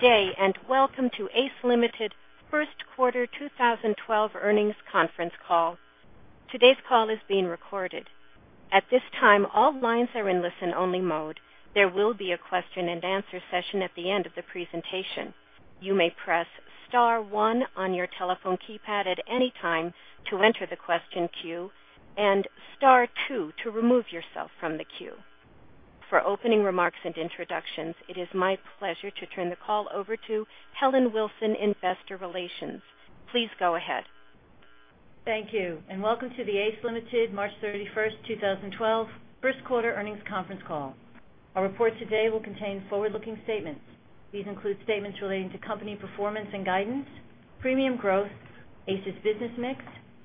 Good day, and welcome to ACE Limited first quarter 2012 earnings conference call. Today's call is being recorded. At this time, all lines are in listen only mode. There will be a question and answer session at the end of the presentation. You may press star one on your telephone keypad at any time to enter the question queue and star two to remove yourself from the queue. For opening remarks and introductions, it is my pleasure to turn the call over to Helen Wilson, investor relations. Please go ahead. Thank you, and welcome to the ACE Limited March 31st, 2012 first quarter earnings conference call. Our report today will contain forward-looking statements. These include statements relating to company performance and guidance, premium growth, ACE's business mix,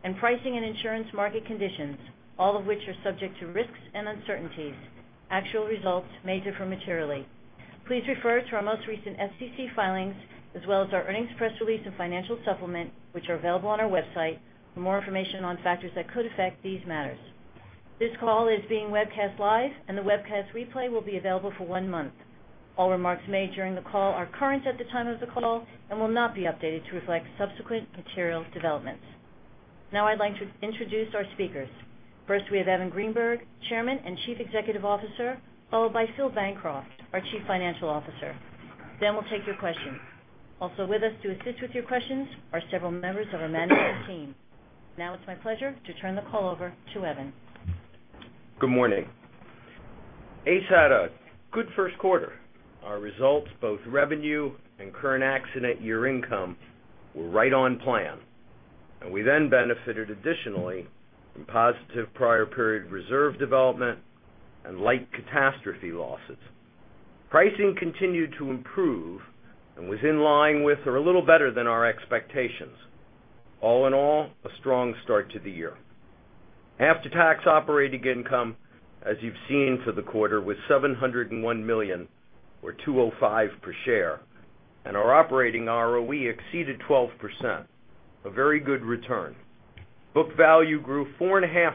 and pricing and insurance market conditions, all of which are subject to risks and uncertainties. Actual results may differ materially. Please refer to our most recent SEC filings, as well as our earnings press release and financial supplement, which are available on our website for more information on factors that could affect these matters. This call is being webcast live, and the webcast replay will be available for one month. All remarks made during the call are current at the time of the call and will not be updated to reflect subsequent materials developments. I'd like to introduce our speakers. First, we have Evan Greenberg, Chairman and Chief Executive Officer, followed by Phil Bancroft, our Chief Financial Officer. We'll take your questions. Also with us to assist with your questions are several members of our management team. It's my pleasure to turn the call over to Evan. Good morning. ACE had a good first quarter. Our results, both revenue and current accident year income, were right on plan, we then benefited additionally from positive prior period reserve development and light catastrophe losses. Pricing continued to improve and was in line with or a little better than our expectations. All in all, a strong start to the year. After-tax operating income, as you've seen for the quarter, was $701 million or $2.05 per share, our operating ROE exceeded 12%, a very good return. Book value grew 4.5%,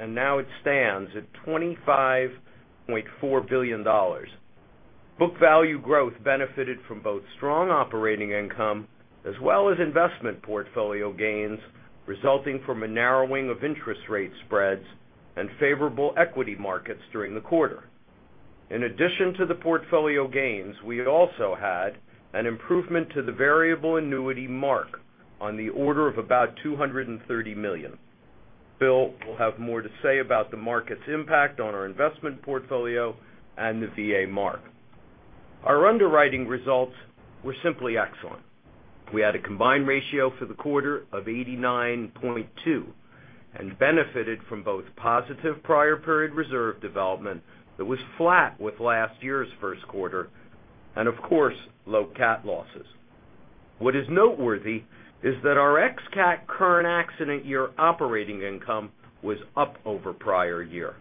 it now stands at $25.4 billion. Book value growth benefited from both strong operating income as well as investment portfolio gains resulting from a narrowing of interest rate spreads and favorable equity markets during the quarter. In addition to the portfolio gains, we also had an improvement to the variable annuity mark on the order of about $230 million. Phil will have more to say about the market's impact on our investment portfolio and the VA mark. Our underwriting results were simply excellent. We had a combined ratio for the quarter of 89.2 and benefited from both positive prior period reserve development that was flat with last year's first quarter and of course, low cat losses. What is noteworthy is that our ex-cat current accident year operating income was up over prior year,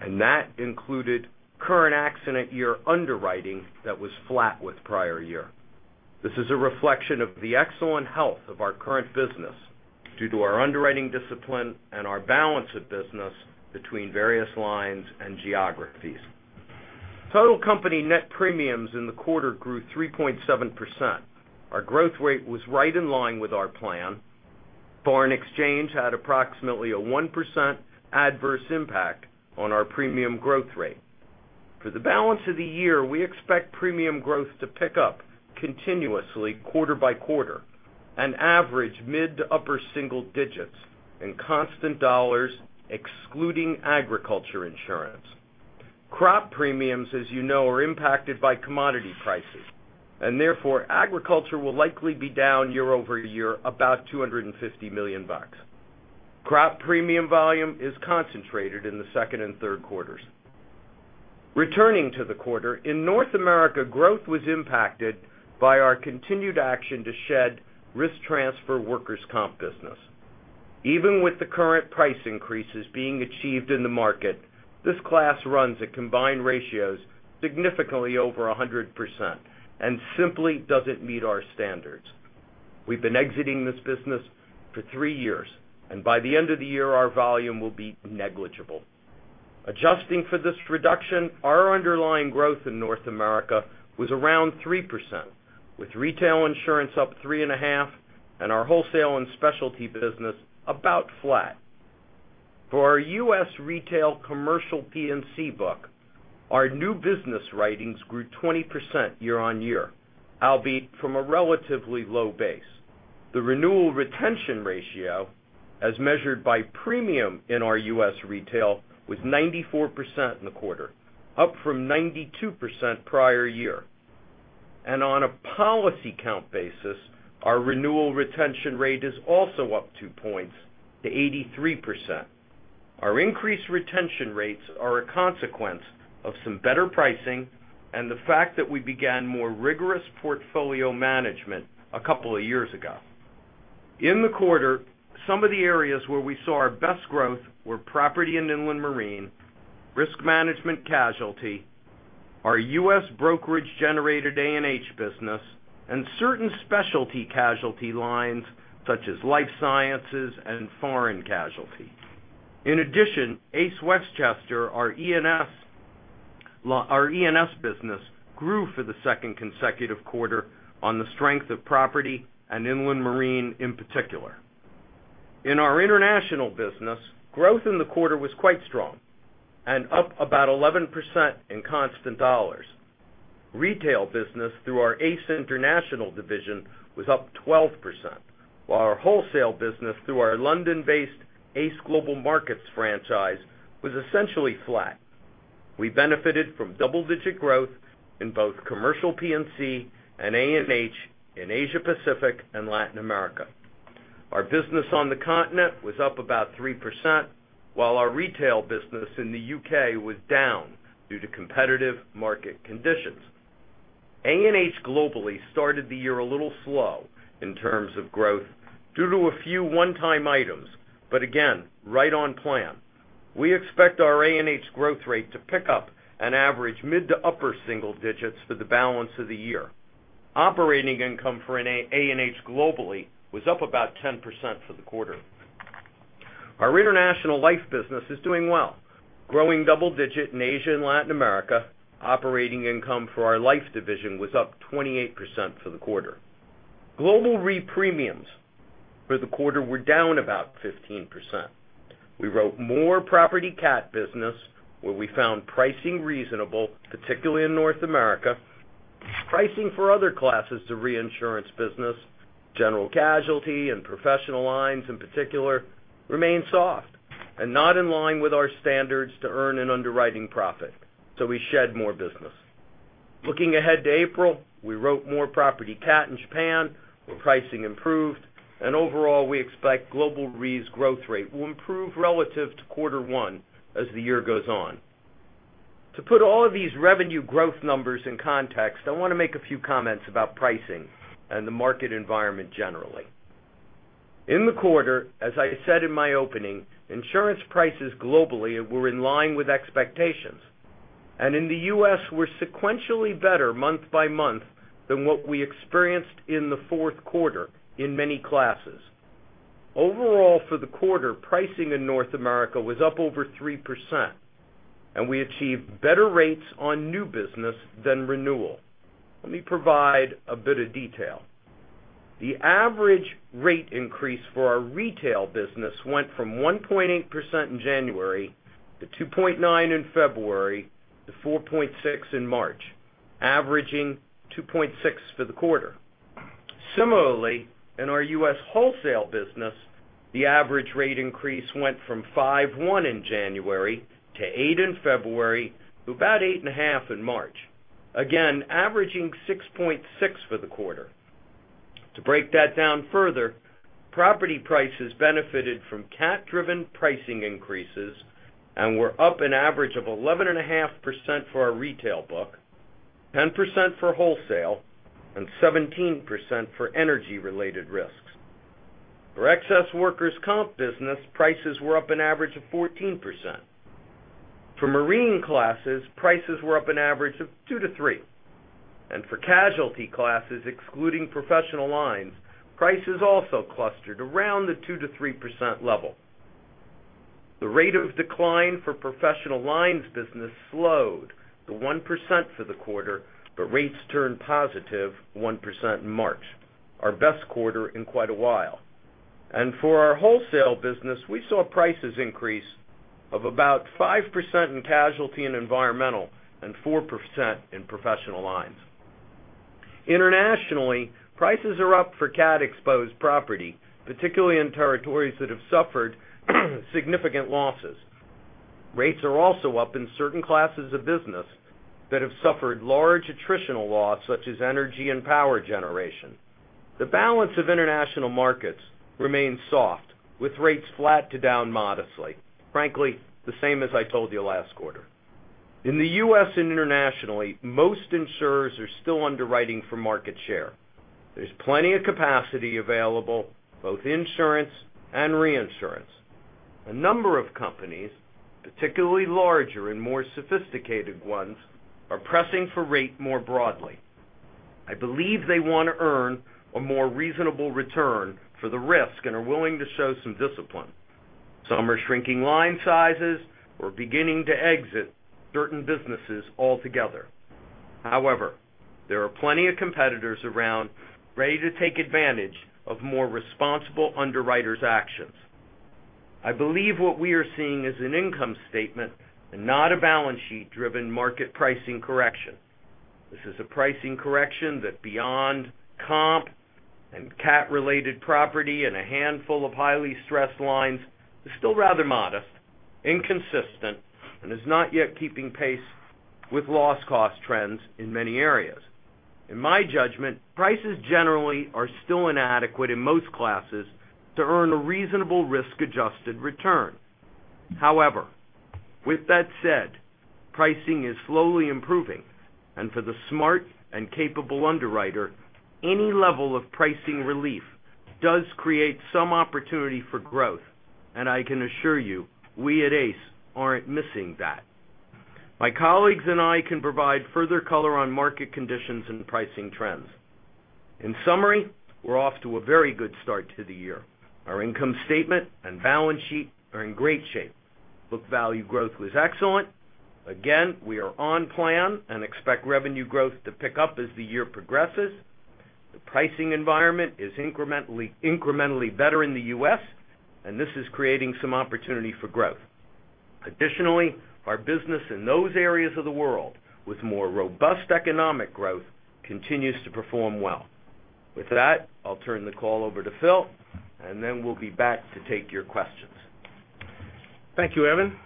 and that included current accident year underwriting that was flat with prior year. This is a reflection of the excellent health of our current business due to our underwriting discipline and our balance of business between various lines and geographies. Total company net premiums in the quarter grew 3.7%. Our growth rate was right in line with our plan. Foreign exchange had approximately a 1% adverse impact on our premium growth rate. For the balance of the year, we expect premium growth to pick up continuously quarter-by-quarter and average mid to upper single digits in constant dollars excluding agriculture insurance. Crop premiums, as you know, are impacted by commodity prices, and therefore, agriculture will likely be down year-over-year about $250 million. Crop premium volume is concentrated in the second and third quarters. Returning to the quarter, in North America, growth was impacted by our continued action to shed risk transfer workers' comp business. Even with the current price increases being achieved in the market, this class runs at combined ratios significantly over 100% and simply doesn't meet our standards. We've been exiting this business for three years, and by the end of the year, our volume will be negligible. Adjusting for this reduction, our underlying growth in North America was around 3%, with retail insurance up 3.5% and our wholesale and specialty business about flat. For our U.S. retail commercial P&C book, our new business writings grew 20% year-on-year, albeit from a relatively low base. The renewal retention ratio, as measured by premium in our U.S. retail, was 94% in the quarter, up from 92% prior year. On a policy count basis, our renewal retention rate is also up two points to 83%. Our increased retention rates are a consequence of some better pricing and the fact that we began more rigorous portfolio management a couple of years ago. In the quarter, some of the areas where we saw our best growth were property and inland marine, risk management casualty, our U.S. brokerage-generated A&H business, and certain specialty casualty lines such as life sciences and foreign casualty. In addition, ACE Westchester, our E&S business, grew for the second consecutive quarter on the strength of property and inland marine, in particular. In our international business, growth in the quarter was quite strong and up about 11% in constant dollars. Retail business through our ACE International division was up 12%, while our wholesale business through our London-based ACE Global Markets franchise was essentially flat. We benefited from double-digit growth in both commercial P&C and A&H in Asia Pacific and Latin America. Our business on the continent was up about 3%, while our retail business in the U.K. was down due to competitive market conditions. A&H globally started the year a little slow in terms of growth due to a few one-time items, but again, right on plan. We expect our A&H growth rate to pick up an average mid to upper single digits for the balance of the year. Operating income for A&H globally was up about 10% for the quarter. Our international life business is doing well, growing double digit in Asia and Latin America. Operating income for our life division was up 28% for the quarter. Global Reinsurance premiums for the quarter were down about 15%. We wrote more property cat business where we found pricing reasonable, particularly in North America. Pricing for other classes of reinsurance business, general casualty and professional lines in particular, remain soft and not in line with our standards to earn an underwriting profit. We shed more business. Looking ahead to April, we wrote more property cat in Japan, where pricing improved, and overall, we expect global Re's growth rate will improve relative to quarter one as the year goes on. To put all of these revenue growth numbers in context, I want to make a few comments about pricing and the market environment generally. In the quarter, as I said in my opening, insurance prices globally were in line with expectations, and in the U.S. were sequentially better month by month than what we experienced in the fourth quarter in many classes. Overall, for the quarter, pricing in North America was up over 3%, and we achieved better rates on new business than renewal. Let me provide a bit of detail. The average rate increase for our retail business went from 1.8% in January, to 2.9% in February, to 4.6% in March, averaging 2.6% for the quarter. Similarly, in our U.S. wholesale business, the average rate increase went from 5.1% in January to 8% in February to about 8.5% in March, again, averaging 6.6% for the quarter. To break that down further, property prices benefited from cat-driven pricing increases and were up an average of 11.5% for our retail book, 10% for wholesale, and 17% for energy-related risks. For excess workers' comp business, prices were up an average of 14%. For marine classes, prices were up an average of 2%-3%. Casualty classes, excluding professional lines, prices also clustered around the 2%-3% level. The rate of decline for professional lines business slowed to 1% for the quarter, but rates turned positive 1% in March, our best quarter in quite a while. For our wholesale business, we saw prices increase of about 5% in casualty and environmental and 4% in professional lines. Internationally, prices are up for cat-exposed property, particularly in territories that have suffered significant losses. Rates are also up in certain classes of business that have suffered large attritional loss, such as energy and power generation. The balance of international markets remains soft, with rates flat to down modestly, frankly, the same as I told you last quarter. In the U.S. and internationally, most insurers are still underwriting for market share. There's plenty of capacity available, both insurance and reinsurance. A number of companies, particularly larger and more sophisticated ones, are pressing for rate more broadly. I believe they want to earn a more reasonable return for the risk and are willing to show some discipline. Some are shrinking line sizes or beginning to exit certain businesses altogether. However, there are plenty of competitors around ready to take advantage of more responsible underwriters' actions. I believe what we are seeing is an income statement and not a balance sheet-driven market pricing correction. This is a pricing correction that beyond comp and cat-related property and a handful of highly stressed lines, is still rather modest, inconsistent, and is not yet keeping pace with loss cost trends in many areas. In my judgment, prices generally are still inadequate in most classes to earn a reasonable risk-adjusted return. However, with that said, pricing is slowly improving, and for the smart and capable underwriter, any level of pricing relief does create some opportunity for growth, and I can assure you, we at ACE aren't missing that. My colleagues and I can provide further color on market conditions and pricing trends. In summary, we're off to a very good start to the year. Our income statement and balance sheet are in great shape. Book value growth was excellent. Again, we are on plan and expect revenue growth to pick up as the year progresses. The pricing environment is incrementally better in the U.S., this is creating some opportunity for growth. Additionally, our business in those areas of the world with more robust economic growth continues to perform well. With that, I'll turn the call over to Phil, then we'll be back to take your questions. Thank you, Evan.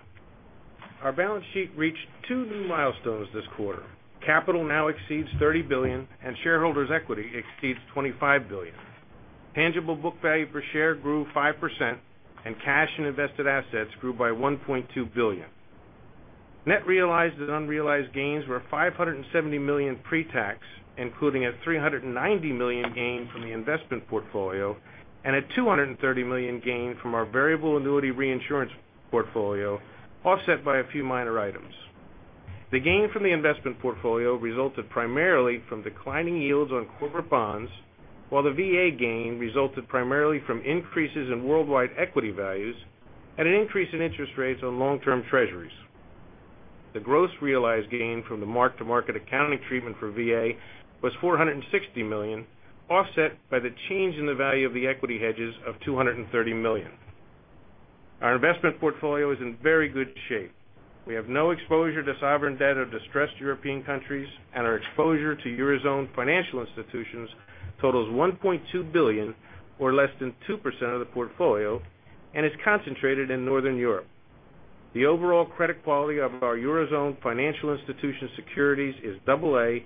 Our balance sheet reached two new milestones this quarter. Capital now exceeds $30 billion, and shareholders' equity exceeds $25 billion. Tangible book value per share grew 5%, and cash and invested assets grew by $1.2 billion. Net realized and unrealized gains were $570 million pre-tax, including a $390 million gain from the investment portfolio and a $230 million gain from our variable annuity reinsurance portfolio, offset by a few minor items. The gain from the investment portfolio resulted primarily from declining yields on corporate bonds, while the VA gain resulted primarily from increases in worldwide equity values and an increase in interest rates on long-term treasuries. The gross realized gain from the mark-to-market accounting treatment for VA was $460 million, offset by the change in the value of the equity hedges of $230 million. Our investment portfolio is in very good shape. We have no exposure to sovereign debt of distressed European countries, our exposure to Eurozone financial institutions totals $1.2 billion or less than 2% of the portfolio and is concentrated in Northern Europe. The overall credit quality of our Eurozone financial institution securities is double A,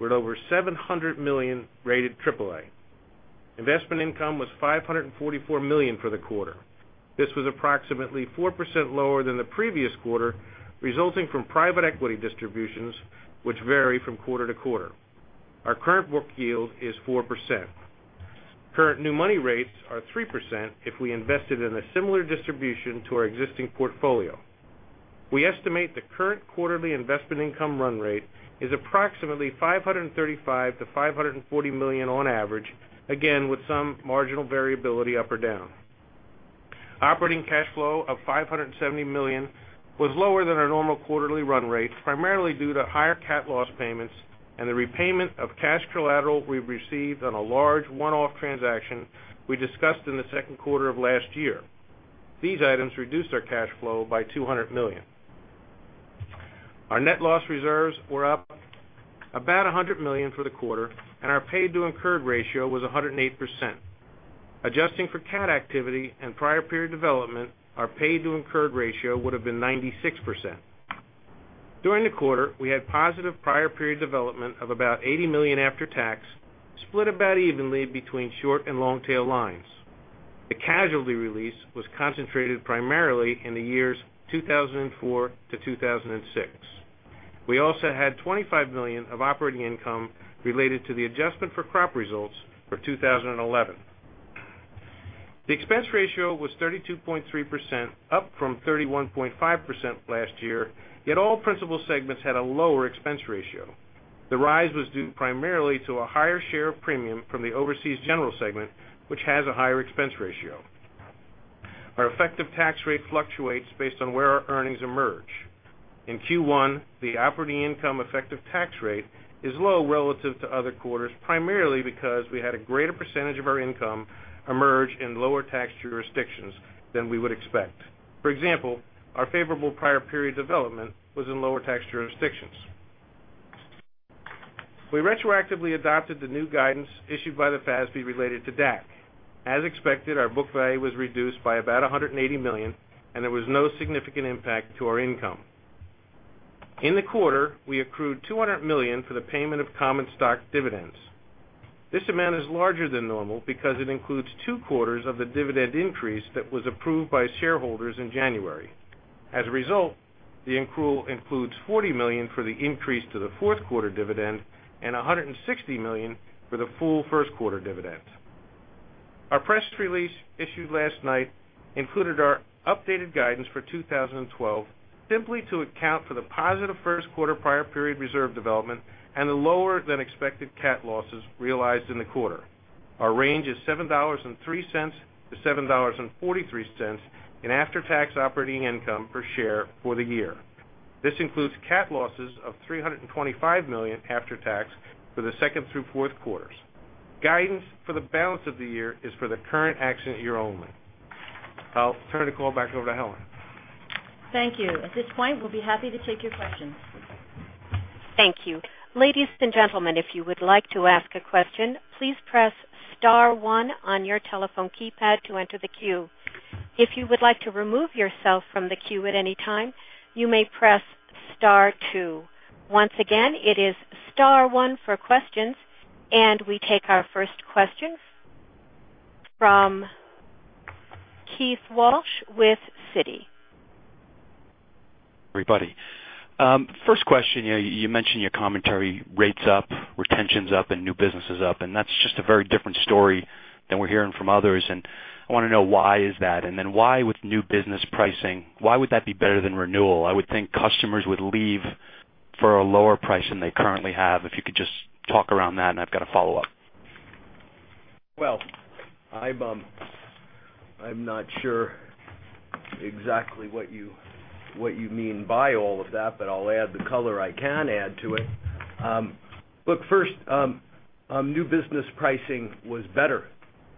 with over $700 million rated triple A. Investment income was $544 million for the quarter. This was approximately 4% lower than the previous quarter, resulting from private equity distributions, which vary from quarter to quarter. Our current book yield is 4%. Current new money rates are 3% if we invested in a similar distribution to our existing portfolio. We estimate the current quarterly investment income run rate is approximately $535 million-$540 million on average, again, with some marginal variability up or down. Operating cash flow of $570 million was lower than our normal quarterly run rate, primarily due to higher cat loss payments and the repayment of cash collateral we received on a large one-off transaction we discussed in the second quarter of last year. These items reduced our cash flow by $200 million. Our net loss reserves were up about $100 million for the quarter, and our paid to incurred ratio was 108%. Adjusting for cat activity and prior period development, our paid to incurred ratio would have been 96%. During the quarter, we had positive prior period development of about $80 million after tax, split about evenly between short and long-tail lines. The casualty release was concentrated primarily in the years 2004 to 2006. We also had $25 million of operating income related to the adjustment for crop results for 2011. The expense ratio was 32.3%, up from 31.5% last year. All principal segments had a lower expense ratio. The rise was due primarily to a higher share of premium from the overseas general segment, which has a higher expense ratio. In Q1, the operating income effective tax rate is low relative to other quarters, primarily because we had a greater percentage of our income emerge in lower tax jurisdictions than we would expect. For example, our favorable prior period development was in lower tax jurisdictions. We retroactively adopted the new guidance issued by the FASB related to DAC. As expected, our book value was reduced by about $180 million, and there was no significant impact to our income. In the quarter, we accrued $200 million for the payment of common stock dividends. This amount is larger than normal because it includes two quarters of the dividend increase that was approved by shareholders in January. As a result, the accrual includes $40 million for the increase to the fourth quarter dividend and $160 million for the full first quarter dividend. Our press release issued last night included our updated guidance for 2012 simply to account for the positive first quarter prior period reserve development and the lower than expected cat losses realized in the quarter. Our range is $7.03 to $7.43 in after-tax operating income per share for the year. This includes cat losses of $325 million after tax for the second through fourth quarters. Guidance for the balance of the year is for the current accident year only. I'll turn the call back over to Helen. Thank you. At this point, we'll be happy to take your questions. Thank you. Ladies and gentlemen, if you would like to ask a question, please press *1 on your telephone keypad to enter the queue. If you would like to remove yourself from the queue at any time, you may press *2. Once again, it is *1 for questions, we take our first question from Keith Walsh with Citi. Everybody. First question, you mentioned your commentary rates up, retention's up, and new business is up, that's just a very different story than we're hearing from others, I want to know why is that? Why with new business pricing, why would that be better than renewal? I would think customers would leave for a lower price than they currently have, if you could just talk around that, I've got a follow-up. Well, I'm not sure exactly what you mean by all of that, but I'll add the color I can add to it. Look, first, new business pricing was better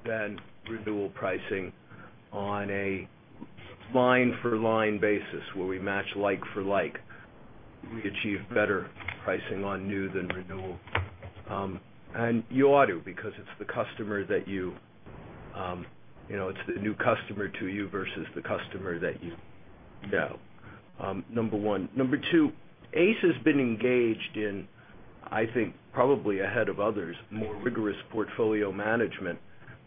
than renewal pricing on a line-for-line basis where we match like for like. We achieve better pricing on new than renewal. You ought to because it's the new customer to you versus the customer that you know, number one. Number two, ACE has been engaged in, I think probably ahead of others, more rigorous portfolio management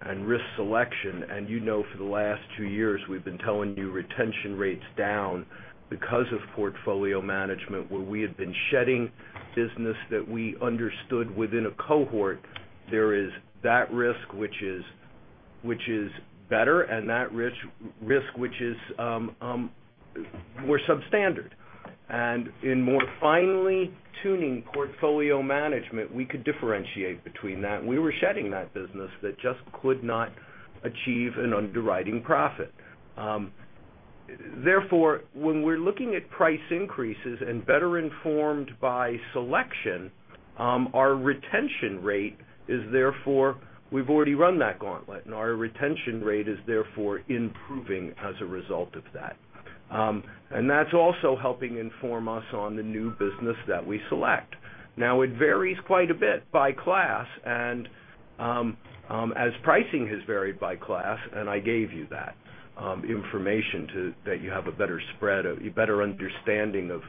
and risk selection. You know for the last two years, we've been telling you retention rate's down because of portfolio management where we have been shedding business that we understood within a cohort. There is that risk which is better and that risk which is more substandard. In more finely tuning portfolio management, we could differentiate between that, and we were shedding that business that just could not achieve an underwriting profit. Therefore, when we're looking at price increases and better informed by selection, our retention rate is therefore, we've already run that gauntlet and our retention rate is therefore improving as a result of that. That's also helping inform us on the new business that we select. Now it varies quite a bit by class, and as pricing has varied by class, and I gave you that information, that you have a better understanding of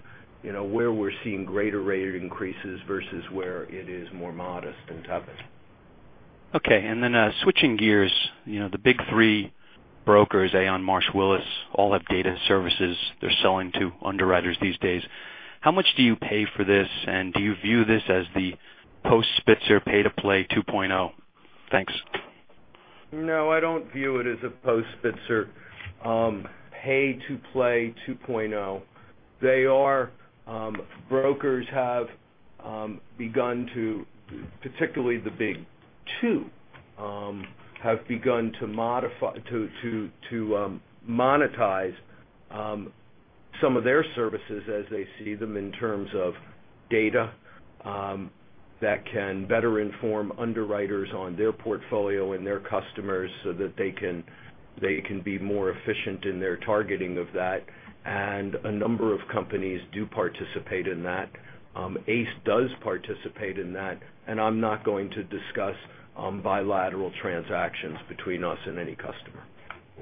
where we're seeing greater rate increases versus where it is more modest and tough. Switching gears. The big three brokers, Aon, Marsh, Willis, all have data services they're selling to underwriters these days. How much do you pay for this and do you view this as the post Spitzer pay-to-play 2.0? Thanks. No, I don't view it as a post Spitzer pay-to-play 2.0. Brokers, particularly the big two, have begun to monetize some of their services as they see them in terms of data that can better inform underwriters on their portfolio and their customers so that they can be more efficient in their targeting of that. A number of companies do participate in that. ACE does participate in that. I'm not going to discuss bilateral transactions between us and any customer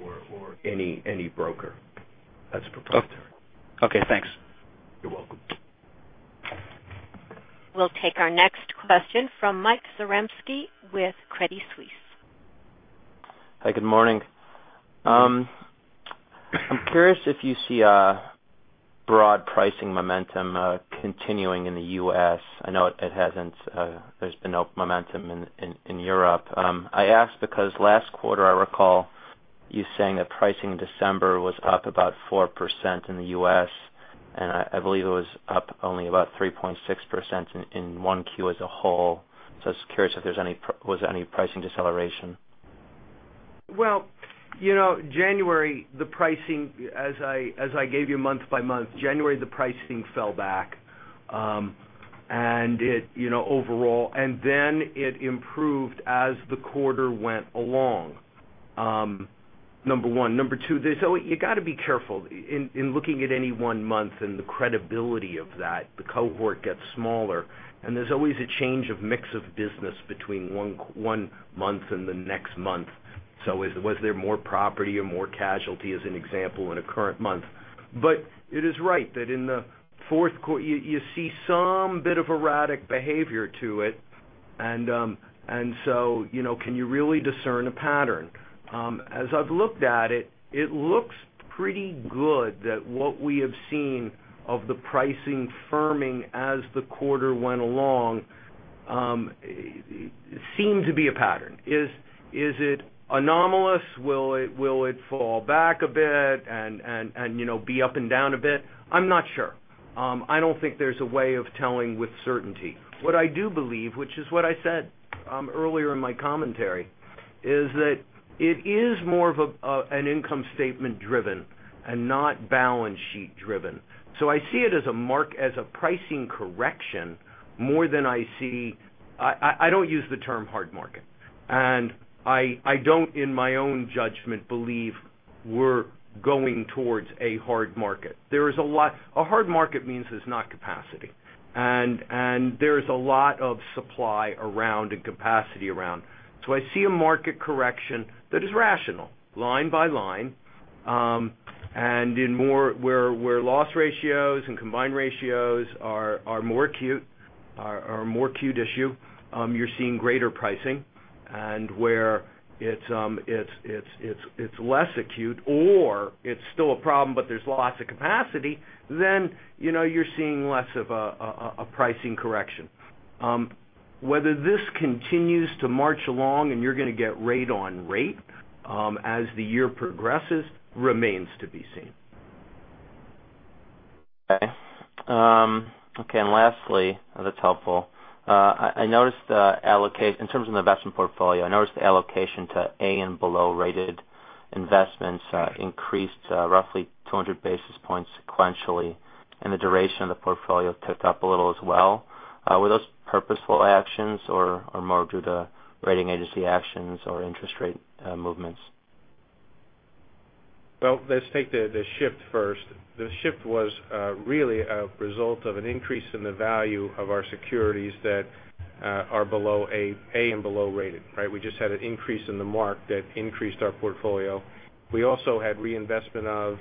or any broker. That's proprietary. Okay, thanks. You're welcome. We'll take our next question from Michael Zaremski with Credit Suisse. Hi, good morning. I'm curious if you see a broad pricing momentum continuing in the U.S. I know there's been no momentum in Europe. I ask because last quarter I recall you saying that pricing in December was up about 4% in the U.S., and I believe it was up only about 3.6% in 1Q as a whole. I was curious if there's any pricing deceleration. As I gave you month by month, January the pricing fell back overall, and then it improved as the quarter went along, number 1. Number 2, you got to be careful in looking at any one month and the credibility of that. The cohort gets smaller and there's always a change of mix of business between one month and the next month. Was there more property or more casualty as an example in a current month? It is right that in the fourth quarter you see some bit of erratic behavior to it, can you really discern a pattern? As I've looked at it looks pretty good that what we have seen of the pricing firming as the quarter went along seemed to be a pattern. Is it anomalous? Will it fall back a bit and be up and down a bit? I'm not sure. I don't think there's a way of telling with certainty. What I do believe, which is what I said earlier in my commentary, is that it is more of an income statement driven and not balance sheet driven. I see it as a pricing correction more than I see. I don't use the term hard market, and I don't, in my own judgment, believe we're going towards a hard market. A hard market means there's not capacity. There's a lot of supply around and capacity around. I see a market correction that is rational line by line, and where loss ratios and combined ratios are a more acute issue, you're seeing greater pricing. Where it's less acute or it's still a problem but there's lots of capacity, you're seeing less of a pricing correction. Whether this continues to march along and you're going to get rate on rate as the year progresses, remains to be seen. Okay. Okay, lastly, that's helpful. In terms of investment portfolio, I noticed the allocation to A and below-rated investments increased roughly 200 basis points sequentially, and the duration of the portfolio ticked up a little as well. Were those purposeful actions or more due to rating agency actions or interest rate movements? Well, let's take the shift first. The shift was really a result of an increase in the value of our securities that are below A and below rated, right? We just had an increase in the mark that increased our portfolio. We also had reinvestment of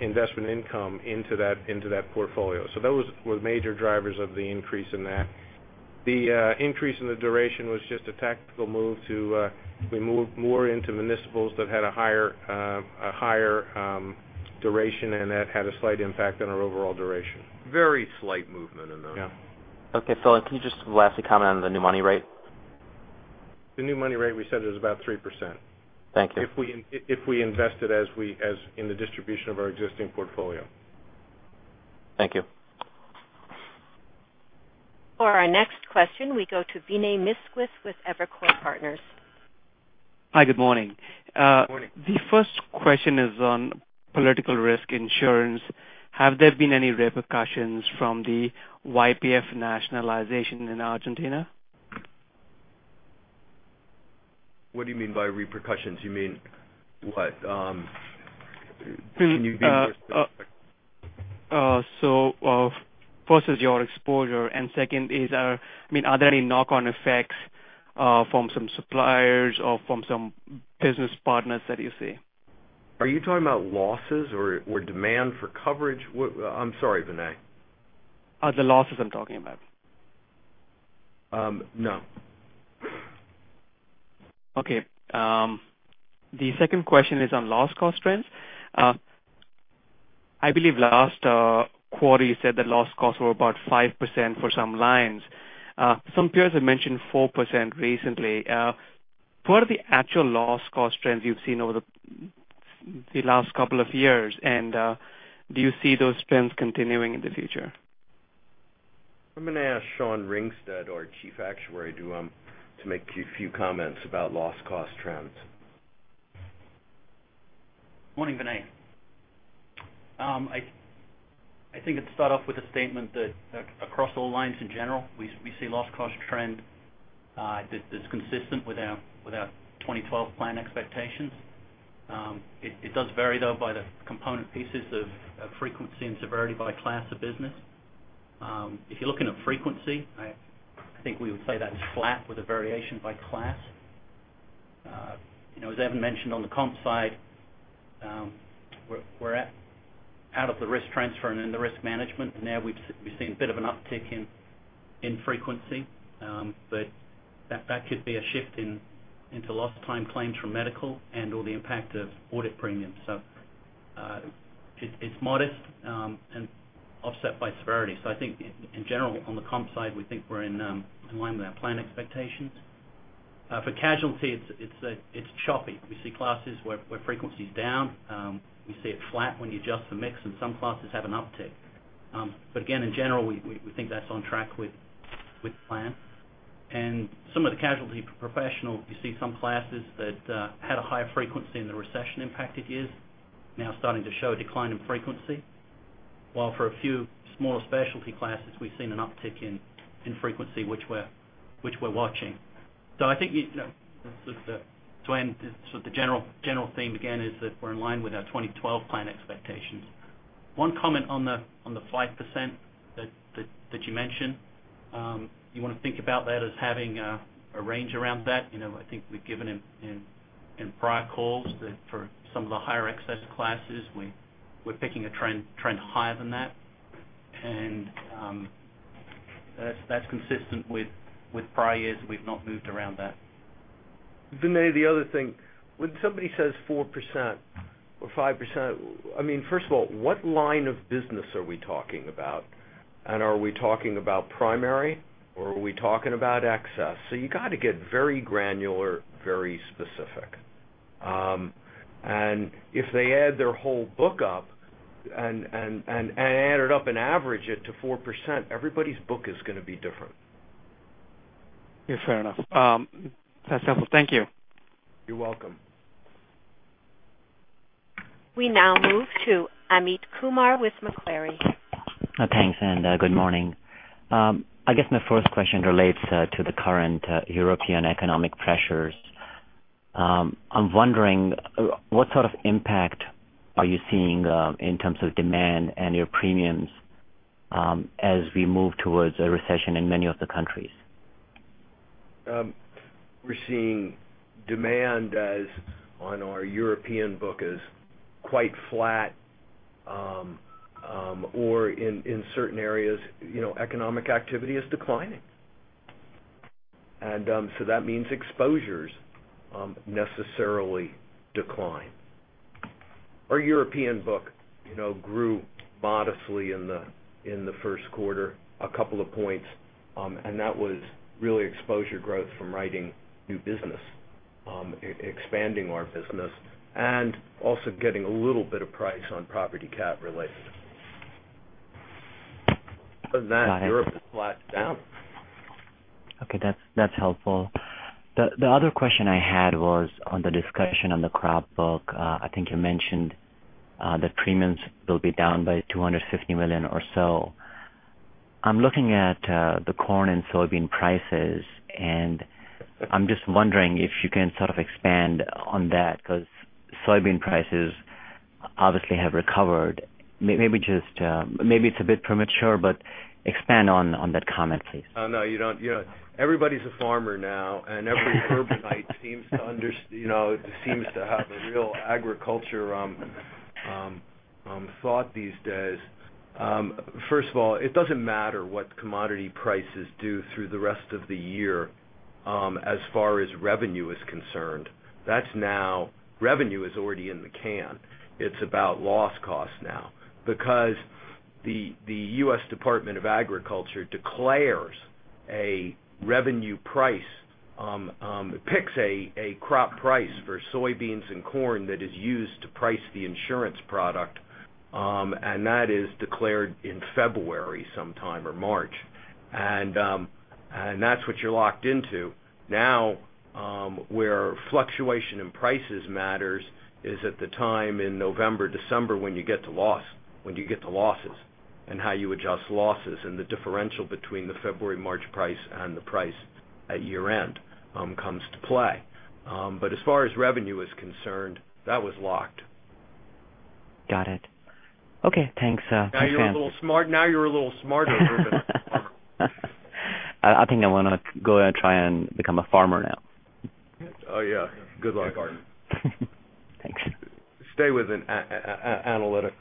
investment income into that portfolio. Those were major drivers of the increase in that. The increase in the duration was just a tactical move, we moved more into municipals that had a higher duration, and that had a slight impact on our overall duration. Very slight movement in that. Yeah. Okay, Philip, can you just lastly comment on the new money rate? The new money rate we said is about 3%. Thank you. If we invest it as in the distribution of our existing portfolio. Thank you. For our next question, we go to Vinay Misquith with Evercore Partners. Hi, good morning. Good morning. The first question is on political risk insurance. Have there been any repercussions from the YPF nationalization in Argentina? What do you mean by repercussions? You mean what? Can you be more specific? First is your exposure, and second is, are there any knock-on effects from some suppliers or from some business partners that you see? Are you talking about losses or demand for coverage? I'm sorry, Vinay. The losses I'm talking about. No. Okay. The second question is on loss cost trends. I believe last quarter you said that loss costs were about 5% for some lines. Some peers have mentioned 4% recently. What are the actual loss cost trends you've seen over the last couple of years? Do you see those trends continuing in the future? I'm going to ask Sean Ringsted, our Chief Actuary, to make a few comments about loss cost trends. Morning, Vinay. I think I'd start off with a statement that across all lines in general, we see loss cost trend that's consistent with our 2012 plan expectations. It does vary, though, by the component pieces of frequency and severity by class of business. If you're looking at frequency, I think we would say that's flat with a variation by class. As Evan mentioned on the comp side, we're out of the risk transfer and in the risk management now we've seen a bit of an uptick in frequency. That could be a shift into lost time claims from medical and/or the impact of audit premiums. It's modest and offset by severity. I think in general, on the comp side, we think we're in line with our plan expectations. For casualty, it's choppy. We see classes where frequency is down. We see it flat when you adjust the mix, and some classes have an uptick. Again, in general, we think that's on track with plan. Some of the casualty professional, you see some classes that had a higher frequency in the recession impacted years, now starting to show a decline in frequency. While for a few smaller specialty classes, we've seen an uptick in frequency, which we're watching. I think, to end, the general theme again is that we're in line with our 2012 plan expectations. One comment on the 5% that you mentioned. You want to think about that as having a range around that. I think we've given in prior calls that for some of the higher excess classes, we're picking a trend higher than that. That's consistent with prior years. We've not moved around that. Vinay, the other thing, when somebody says 4% or 5%, first of all, what line of business are we talking about? Are we talking about primary or are we talking about excess? You got to get very granular, very specific. If they add their whole book up and add it up and average it to 4%, everybody's book is going to be different. Yeah, fair enough. That's helpful. Thank you. You're welcome. We now move to Amit Kumar with Macquarie. Thanks, good morning. I guess my first question relates to the current European economic pressures. I'm wondering what sort of impact are you seeing in terms of demand and your premiums as we move towards a recession in many of the countries? We're seeing demand on our European book as quite flat or in certain areas economic activity is declining. That means exposures necessarily decline. Our European book grew modestly in the first quarter, a couple of points, and that was really exposure growth from writing new business, expanding our business, and also getting a little bit of price on property cap related. Other than that Europe is flat down. Okay. That's helpful. The other question I had was on the discussion on the crop book. I think you mentioned that premiums will be down by $250 million or so. I'm looking at the corn and soybean prices, and I'm just wondering if you can sort of expand on that because soybean prices obviously have recovered. Maybe it's a bit premature, but expand on that comment, please. Oh, no. Everybody's a farmer now and every urbanite seems to have a real agriculture thought these days. First of all, it doesn't matter what commodity prices do through the rest of the year as far as revenue is concerned. Revenue is already in the can. It's about loss cost now because the U.S. Department of Agriculture declares a revenue price, picks a crop price for soybeans and corn that is used to price the insurance product, and that is declared in February sometime or March. That's what you're locked into. Now, where fluctuation in prices matters is at the time in November, December, when you get to losses and how you adjust losses and the differential between the February, March price and the price at year-end comes to play. As far as revenue is concerned, that was locked. Got it. Okay, thanks. Now you're a little smarter, urbanite farmer. I think I want to go and try and become a farmer now. Oh, yeah. Good luck. Thanks. Stay with analytics.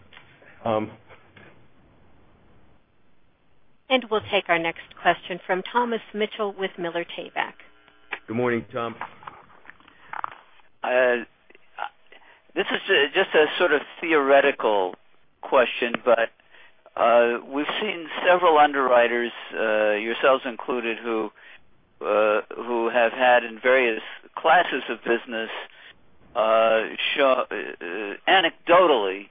We'll take our next question from Thomas Mitchell with Miller Tabak. Good morning, Tom. This is just a sort of theoretical question. We've seen several underwriters, yourselves included, who have had in various classes of business, anecdotally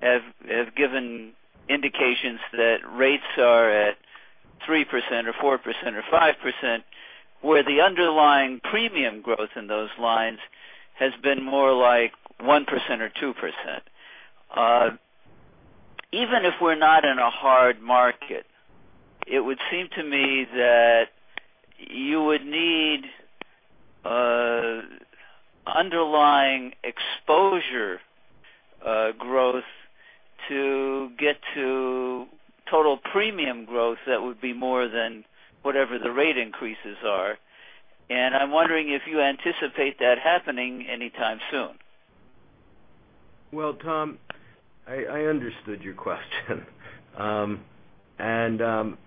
have given indications that rates are at 3% or 4% or 5%, where the underlying premium growth in those lines has been more like 1% or 2%. Even if we're not in a hard market, it would seem to me that you would need underlying exposure growth to get to total premium growth that would be more than whatever the rate increases are. I'm wondering if you anticipate that happening anytime soon. Well, Tom, I understood your question.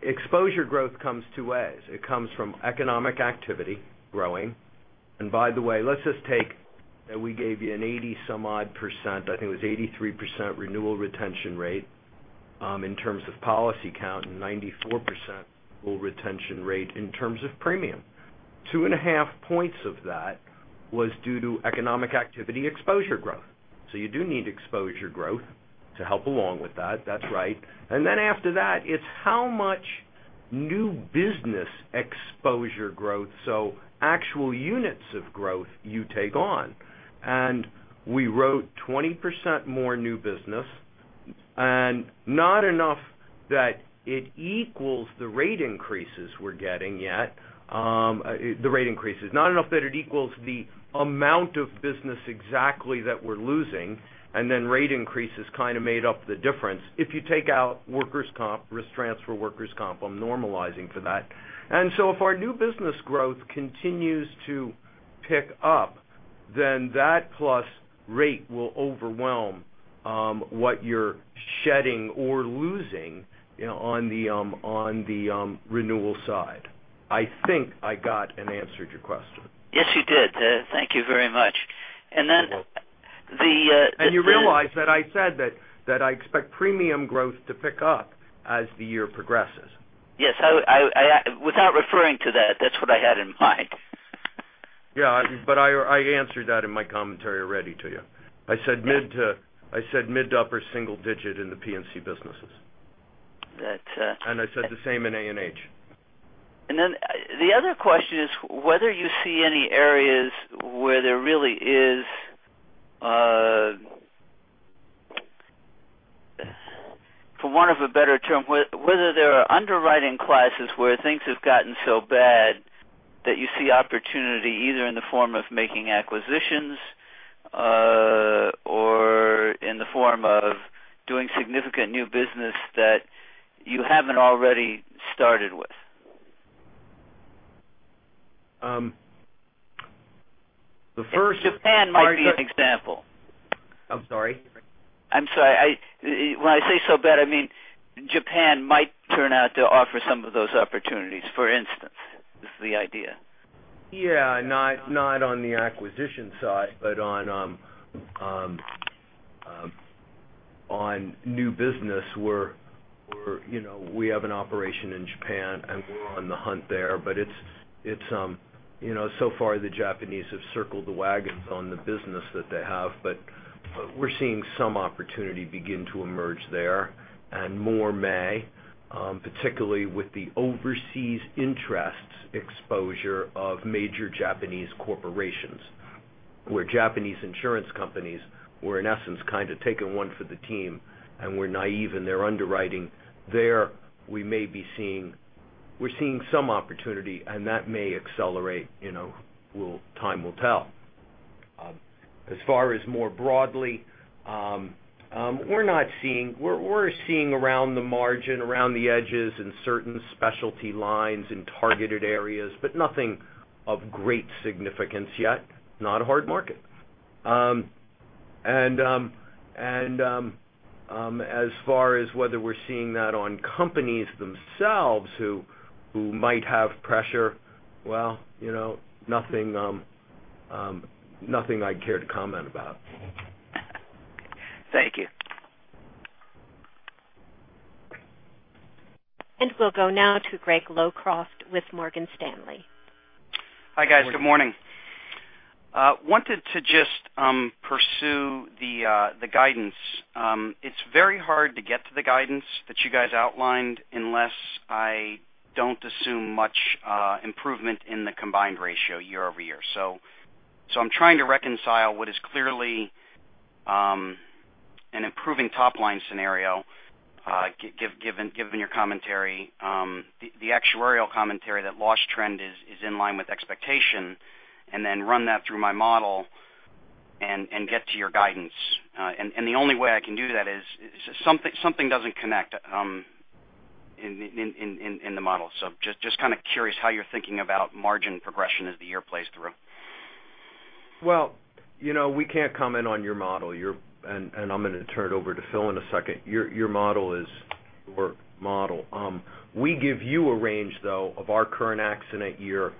Exposure growth comes two ways. It comes from economic activity growing. By the way, let's just take that we gave you an 80 some odd percent, I think it was 83% renewal retention rate, in terms of policy count and 94% full retention rate in terms of premium. Two and a half points of that was due to economic activity exposure growth. You do need exposure growth to help along with that. That's right. Then after that, it's how much new business exposure growth, so actual units of growth you take on. We wrote 20% more new business. Not enough that it equals the rate increases we're getting yet. The rate increases. Not enough that it equals the amount of business exactly that we're losing. Then rate increases kind of made up the difference. If you take out workers' comp, risk transfer workers' comp, I'm normalizing for that. If our new business growth continues to pick up, then that plus rate will overwhelm what you're shedding or losing on the renewal side. I think I got and answered your question. Yes, you did. Thank you very much. You realize that I said that I expect premium growth to pick up as the year progresses. Yes. Without referring to that's what I had in mind. Yeah. I answered that in my commentary already to you. I said mid to upper single digit in the P&C businesses. That- I said the same in A&H. The other question is whether you see any areas where there really is, for want of a better term, whether there are underwriting classes where things have gotten so bad that you see opportunity either in the form of making acquisitions, or in the form of doing significant new business that you haven't already started with. The first. Japan might be an example. I'm sorry? I'm sorry. When I say so bad, I mean Japan might turn out to offer some of those opportunities, for instance, is the idea. Yeah. Not on the acquisition side, but on new business where we have an operation in Japan, and we're on the hunt there. So far, the Japanese have circled the wagons on the business that they have. We're seeing some opportunity begin to emerge there and more may, particularly with the overseas interests exposure of major Japanese corporations, where Japanese insurance companies were, in essence, kind of taking one for the team and were naive in their underwriting. There, we're seeing some opportunity, and that may accelerate. Time will tell. As far as more broadly, we're seeing around the margin, around the edges in certain specialty lines, in targeted areas, but nothing of great significance yet. Not a hard market. And as far as whether we're seeing that on companies themselves who might have pressure, well, nothing I'd care to comment about. Thank you. We'll go now to Greg Locraft with Morgan Stanley. Hi, guys. Good morning. I wanted to just pursue the guidance. It is very hard to get to the guidance that you guys outlined unless I don't assume much improvement in the combined ratio year-over-year. I'm trying to reconcile what is clearly an improving top-line scenario given your commentary, the actuarial commentary that loss trend is in line with expectation, and then run that through my model and get to your guidance. The only way I can do that is something doesn't connect in the model. Just kind of curious how you're thinking about margin progression as the year plays through. Well, we can't comment on your model. I'm going to turn it over to Phil in a second. Your model is your model. We give you a range, though, of our current accident year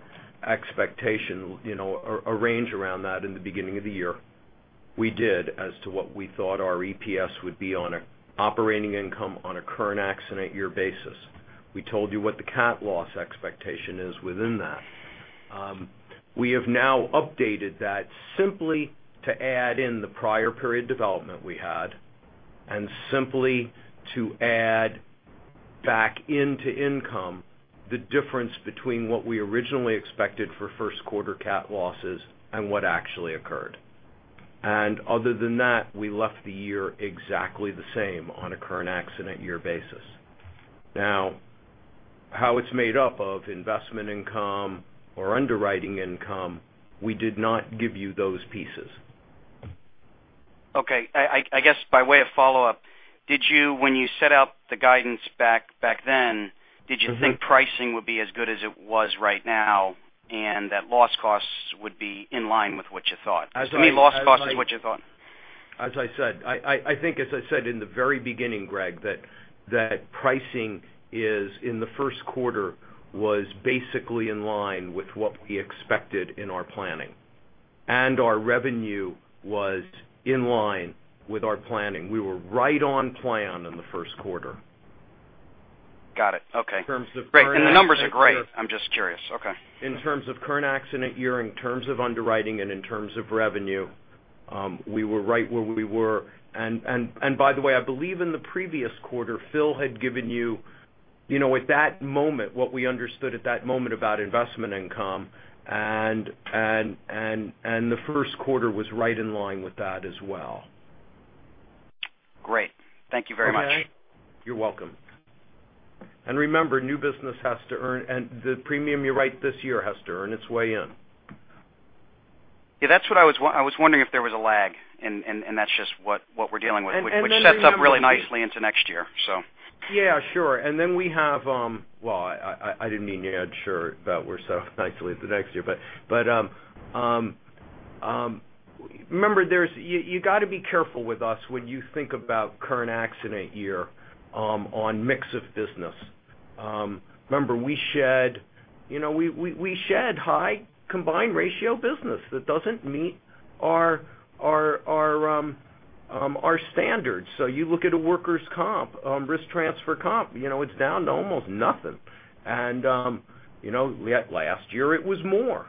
expectation, a range around that in the beginning of the year. We did as to what we thought our EPS would be on operating income on a current accident year basis. We told you what the cat loss expectation is within that. We have now updated that simply to add in the prior period development we had and simply to add back into income the difference between what we originally expected for first quarter cat losses and what actually occurred. Other than that, we left the year exactly the same on a current accident year basis. Now, how it's made up of investment income or underwriting income, we did not give you those pieces. Okay. I guess by way of follow-up, when you set out the guidance back then, did you think pricing would be as good as it was right now, and that loss costs would be in line with what you thought? Do you mean loss costs is what you thought? As I said, I think as I said in the very beginning, Greg, that pricing in the first quarter was basically in line with what we expected in our planning. Our revenue was in line with our planning. We were right on plan in the first quarter. Got it. Okay. In terms of current- Great. The numbers are great. I'm just curious. Okay. In terms of current accident year, in terms of underwriting, and in terms of revenue, we were right where we were. By the way, I believe in the previous quarter, Phil had given you at that moment what we understood at that moment about investment income, and the first quarter was right in line with that as well. Great. Thank you very much. Okay. You're welcome. Remember, new business has to earn, and the premium you write this year has to earn its way in. Yeah, I was wondering if there was a lag, and that's just what we're dealing with, which sets up really nicely into next year. Yeah, sure. Well, I didn't mean to add sure that we're so nicely into next year. Remember, you got to be careful with us when you think about current accident year on mix of business. Remember, we shed high combined ratio business that doesn't meet our standards. You look at a workers' comp, risk transfer comp, it's down to almost nothing. Last year it was more.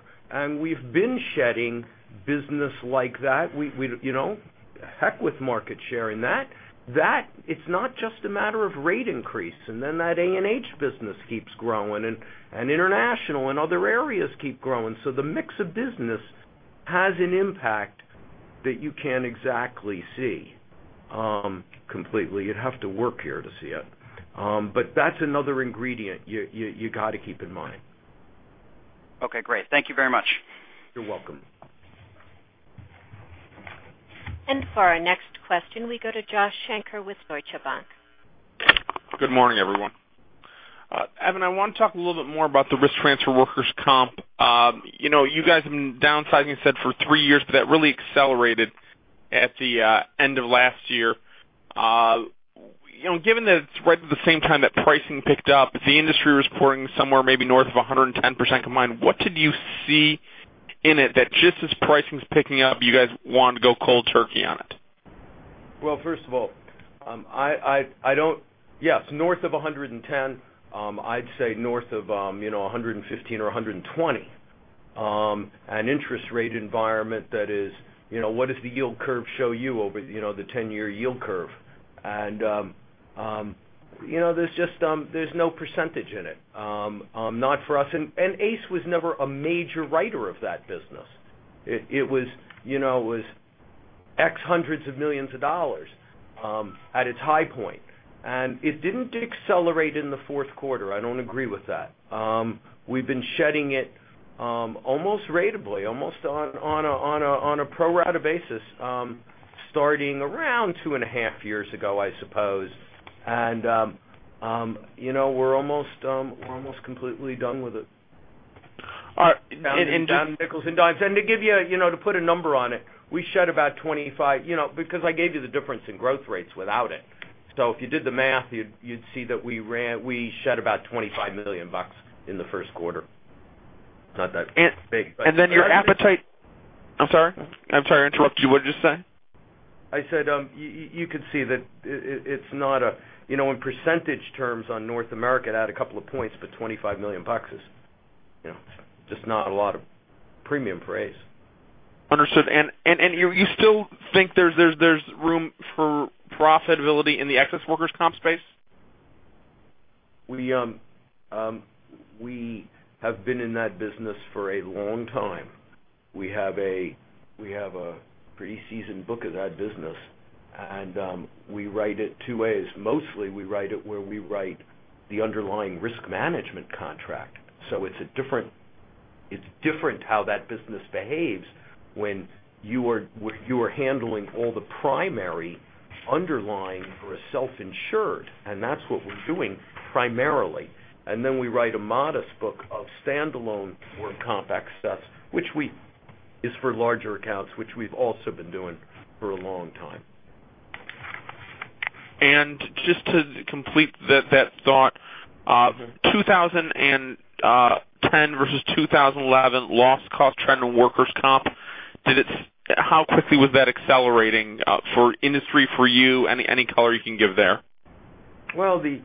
We've been shedding business like that. Heck with market share in that. It's not just a matter of rate increase, and then that A&H business keeps growing, and international and other areas keep growing. The mix of business has an impact that you can't exactly see completely. You'd have to work here to see it. That's another ingredient you got to keep in mind. Okay, great. Thank you very much. You're welcome. For our next question, we go to Joshua Shanker with Deutsche Bank. Good morning, everyone. Evan, I want to talk a little bit more about the risk transfer workers' comp. You guys have been downsizing, you said, for three years, but that really accelerated at the end of last year. Given that it's right at the same time that pricing picked up, the industry was reporting somewhere maybe north of 110% combined. What did you see in it that just as pricing's picking up, you guys wanted to go cold turkey on it? Well, first of all, yes, north of 110%, I'd say north of 115% or 120%. An interest rate environment that is, what does the yield curve show you over the 10-year yield curve? There's no percentage in it, not for us. ACE was never a major writer of that business. It was x hundreds of millions of dollars at its high point, it didn't accelerate in the fourth quarter. I don't agree with that. We've been shedding it almost ratably, almost on a pro-rata basis, starting around two and a half years ago, I suppose. We're almost completely done with it. All right. Down to nickels and dimes. To put a number on it, we shed about 25 because I gave you the difference in growth rates without it. If you did the math, you'd see that we shed about $25 million in the first quarter. Not that big. Your appetite-- I'm sorry. I'm sorry to interrupt you. What did you say? I said, you could see that in percentage terms on North America, it had a couple of points, but $25 million. It's just not a lot of premium for ACE. Understood. You still think there's room for profitability in the excess workers' comp space? We have been in that business for a long time. We have a pretty seasoned book of that business, we write it two ways. Mostly, we write it where we write the underlying risk management contract. It's different how that business behaves when you are handling all the primary underlying for a self-insured, that's what we're doing primarily. We write a modest book of standalone work comp excess, which is for larger accounts, which we've also been doing for a long time. Just to complete that thought, 2010 versus 2011 loss cost trend in workers' comp, how quickly was that accelerating for industry, for you? Any color you can give there? Well, the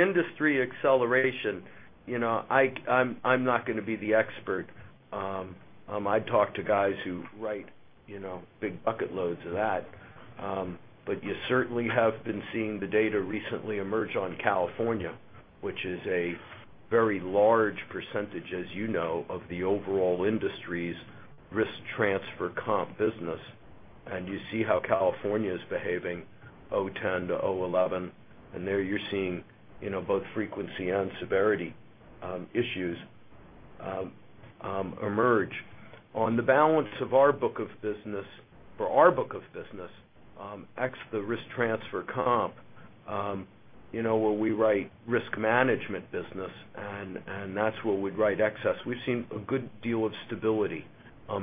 industry acceleration, I'm not going to be the expert. I talk to guys who write big bucket loads of that. You certainly have been seeing the data recently emerge on California, which is a very large percentage, as you know, of the overall industry's risk transfer comp business. You see how California is behaving, 2010 to 2011. There you're seeing both frequency and severity issues emerge. On the balance of our book of business, ex the risk transfer comp, where we write risk management business, and that's where we'd write excess, we've seen a good deal of stability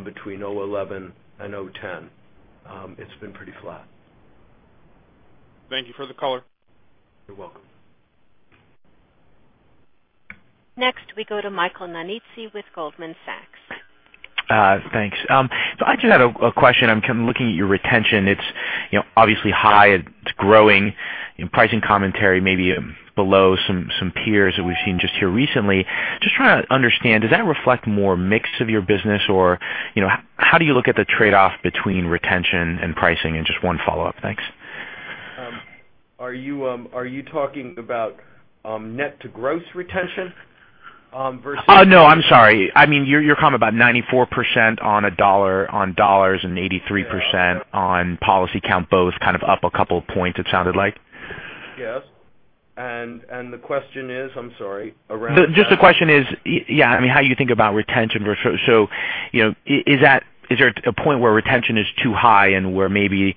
between 2011 and 2010. It's been pretty flat. Thank you for the color. You're welcome. Next, we go to Michael Nannizzi with Goldman Sachs. Thanks. I just have a question. I'm looking at your retention. It's obviously high. It's growing in pricing commentary, maybe below some peers that we've seen just here recently. Just trying to understand, does that reflect more mix of your business? How do you look at the trade-off between retention and pricing? Just one follow-up. Thanks. Are you talking about net to gross retention versus? No, I'm sorry. You're coming about 94% on dollars and 83% on policy count, both kind of up a couple of points, it sounded like. Yes. The question is, I'm sorry. Just the question is, yeah, how you think about retention. Is there a point where retention is too high and where maybe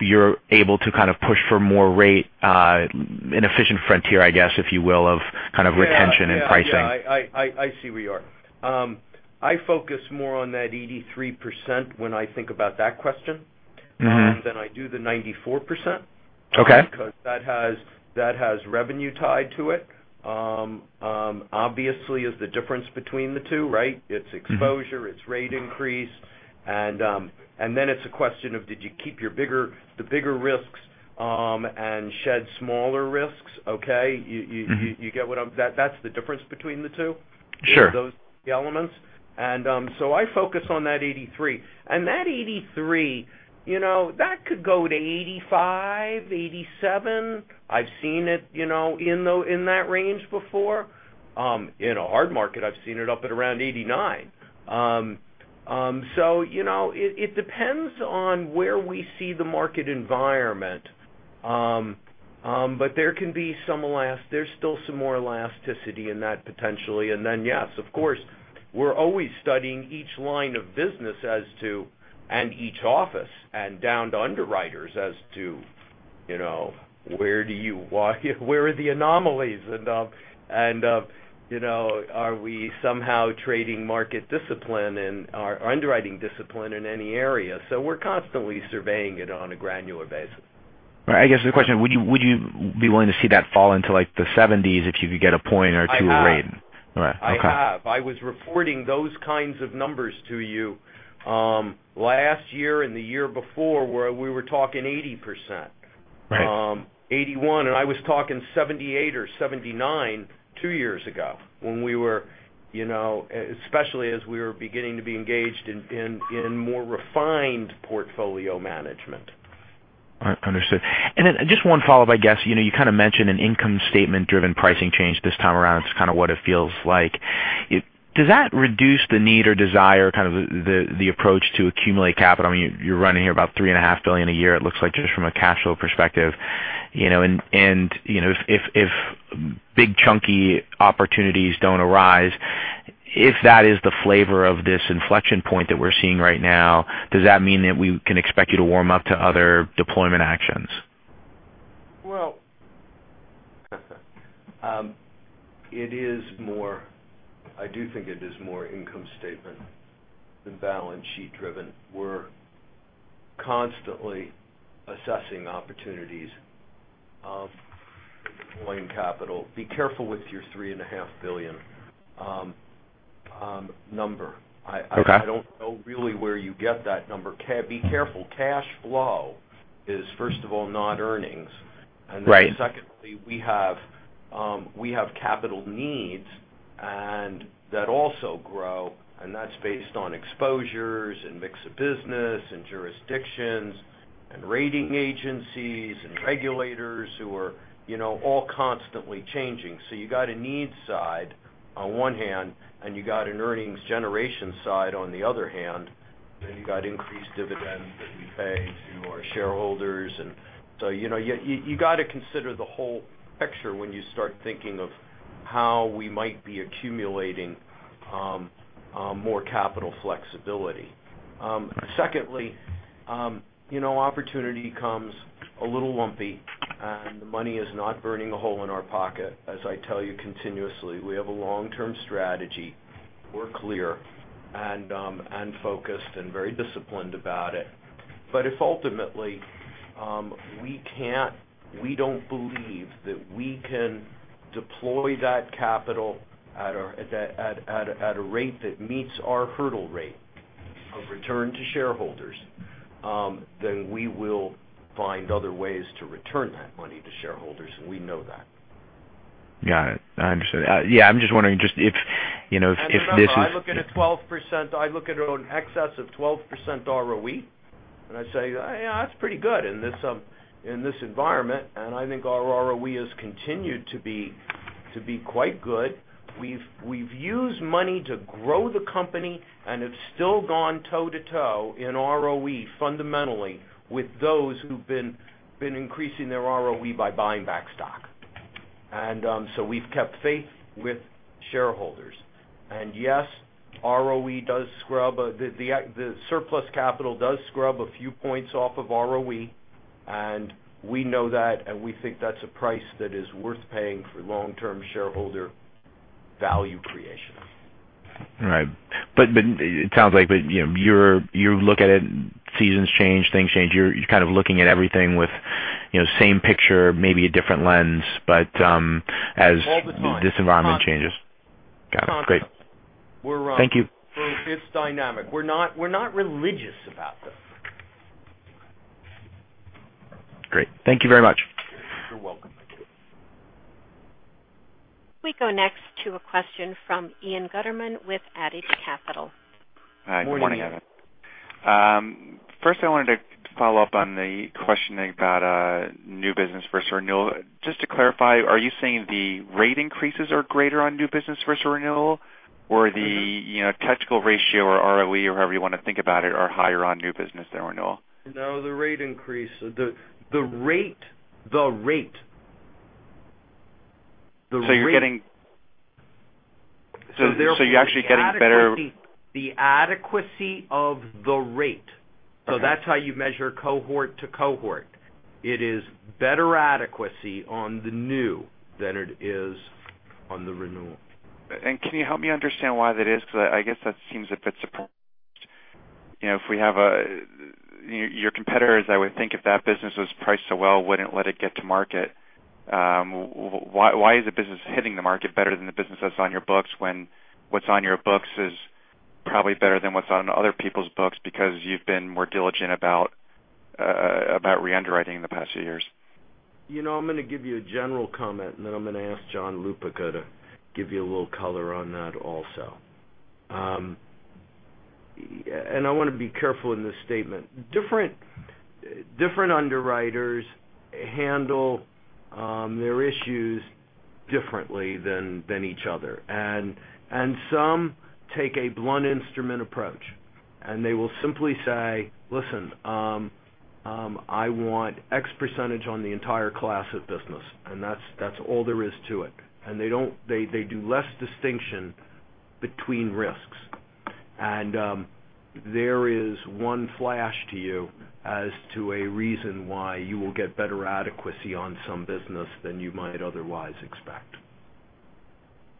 you're able to kind of push for more rate, an efficient frontier, I guess, if you will, of kind of retention and pricing? Yeah. I see where you are. I focus more on that 83% when I think about that question. than I do the 94%. Okay. That has revenue tied to it. Obviously, is the difference between the two, right? It's exposure, it's rate increase. Then it's a question of did you keep the bigger risks and shed smaller risks, okay? That's the difference between the two. Sure. Those are the elements. I focus on that 83. That 83, that could go to 85, 87. I've seen it in that range before. In a hard market, I've seen it up at around 89. It depends on where we see the market environment, but there's still some more elasticity in that potentially. Then, yes, of course, we're always studying each line of business as to, and each office, and down to underwriters as to where are the anomalies and are we somehow trading market discipline and our underwriting discipline in any area? We're constantly surveying it on a granular basis. Right. I guess the question, would you be willing to see that fall into the 70s if you could get a point or two of rate? I have. All right. Okay. I have. I was reporting those kinds of numbers to you last year and the year before where we were talking 80%. Right. 81, I was talking 78 or 79 two years ago, especially as we were beginning to be engaged in more refined portfolio management. All right. Understood. Just one follow-up, I guess. You kind of mentioned an income statement-driven pricing change this time around, it's kind of what it feels like. Does that reduce the need or desire, kind of the approach to accumulate capital? You're running here about $3.5 billion a year it looks like, just from a cash flow perspective. If big chunky opportunities don't arise, if that is the flavor of this inflection point that we're seeing right now, does that mean that we can expect you to warm up to other deployment actions? Well, I do think it is more income statement than balance sheet driven. We're constantly assessing opportunities of deploying capital. Be careful with your $3.5 billion number. Okay. I don't know really where you get that number. Be careful. Cash flow is, first of all, not earnings. Right. Secondly, we have capital needs that also grow, and that's based on exposures and mix of business and jurisdictions, and rating agencies, and regulators who are all constantly changing. You got a need side on one hand, and you got an earnings generation side on the other hand, then you got increased dividends that we pay to our shareholders. You got to consider the whole picture when you start thinking of how we might be accumulating more capital flexibility. Secondly, opportunity comes a little lumpy, and the money is not burning a hole in our pocket, as I tell you continuously. We have a long-term strategy. We're clear and focused and very disciplined about it. If ultimately we don't believe that we can deploy that capital at a rate that meets our hurdle rate of return to shareholders, we will find other ways to return that money to shareholders, and we know that. Got it. I understand. Remember, I look at an excess of 12% ROE, I say, "That's pretty good in this environment." I think our ROE has continued to be quite good. We've used money to grow the company, it's still gone toe-to-toe in ROE fundamentally with those who've been increasing their ROE by buying back stock. So we've kept faith with shareholders. Yes, the surplus capital does scrub a few points off of ROE, we know that, we think that's a price that is worth paying for long-term shareholder value creation. Right. It sounds like you look at it, seasons change, things change. You're kind of looking at everything with the same picture, maybe a different lens. All the time this environment changes. Constant. Got it. Great. Constant. Thank you. It's dynamic. We're not religious about this. Great. Thank you very much. You're welcome. We go next to a question from Ian Gutterman with Adage Capital. Morning. Hi. Good morning, Evan. First I wanted to follow up on the question about new business versus renewal. Just to clarify, are you saying the rate increases are greater on new business versus renewal, or the technical ratio or ROE or however you want to think about it are higher on new business than renewal? No, the rate increase. The rate. You're actually getting better- The adequacy of the rate. Okay. That's how you measure cohort to cohort. It is better adequacy on the new than it is on the renewal. Can you help me understand why that is? I guess that seems a bit surprising. Your competitors, I would think if that business was priced so well, wouldn't let it get to market. Why is the business hitting the market better than the business that's on your books when what's on your books is probably better than what's on other people's books because you've been more diligent about re-underwriting in the past few years? I'm going to give you a general comment, and then I'm going to ask John Lupica to give you a little color on that also. I want to be careful in this statement. Different underwriters handle their issues differently than each other. Some take a blunt instrument approach, and they will simply say, "Listen, I want X percentage on the entire class of business, and that's all there is to it." They do less distinction between risks. There is one flash to you as to a reason why you will get better adequacy on some business than you might otherwise expect.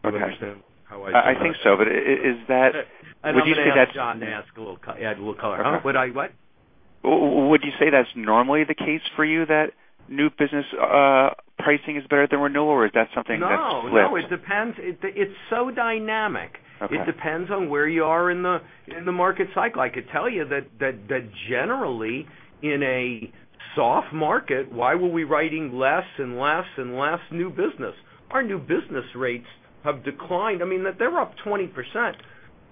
Okay. You understand how I do that? I think so. I'm going to have John add a little color. Huh? What? Would you say that's normally the case for you, that new business pricing is better than renewal, or is that something that's flipped? No, it depends. It's so dynamic. Okay. It depends on where you are in the market cycle. I could tell you that generally, in a soft market, why were we writing less and less new business? Our new business rates have declined. They're up 20%.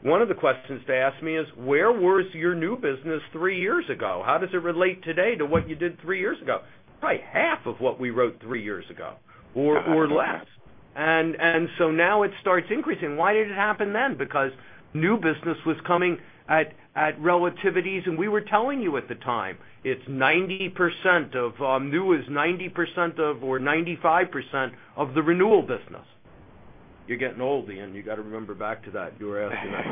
One of the questions they asked me is, where was your new business three years ago? How does it relate today to what you did three years ago? Probably half of what we wrote three years ago or less. Now it starts increasing. Why did it happen then? Because new business was coming at relativities, and we were telling you at the time, new is 90% of, or 95% of the renewal business. You're getting old, Ian. You got to remember back to that. You were asking that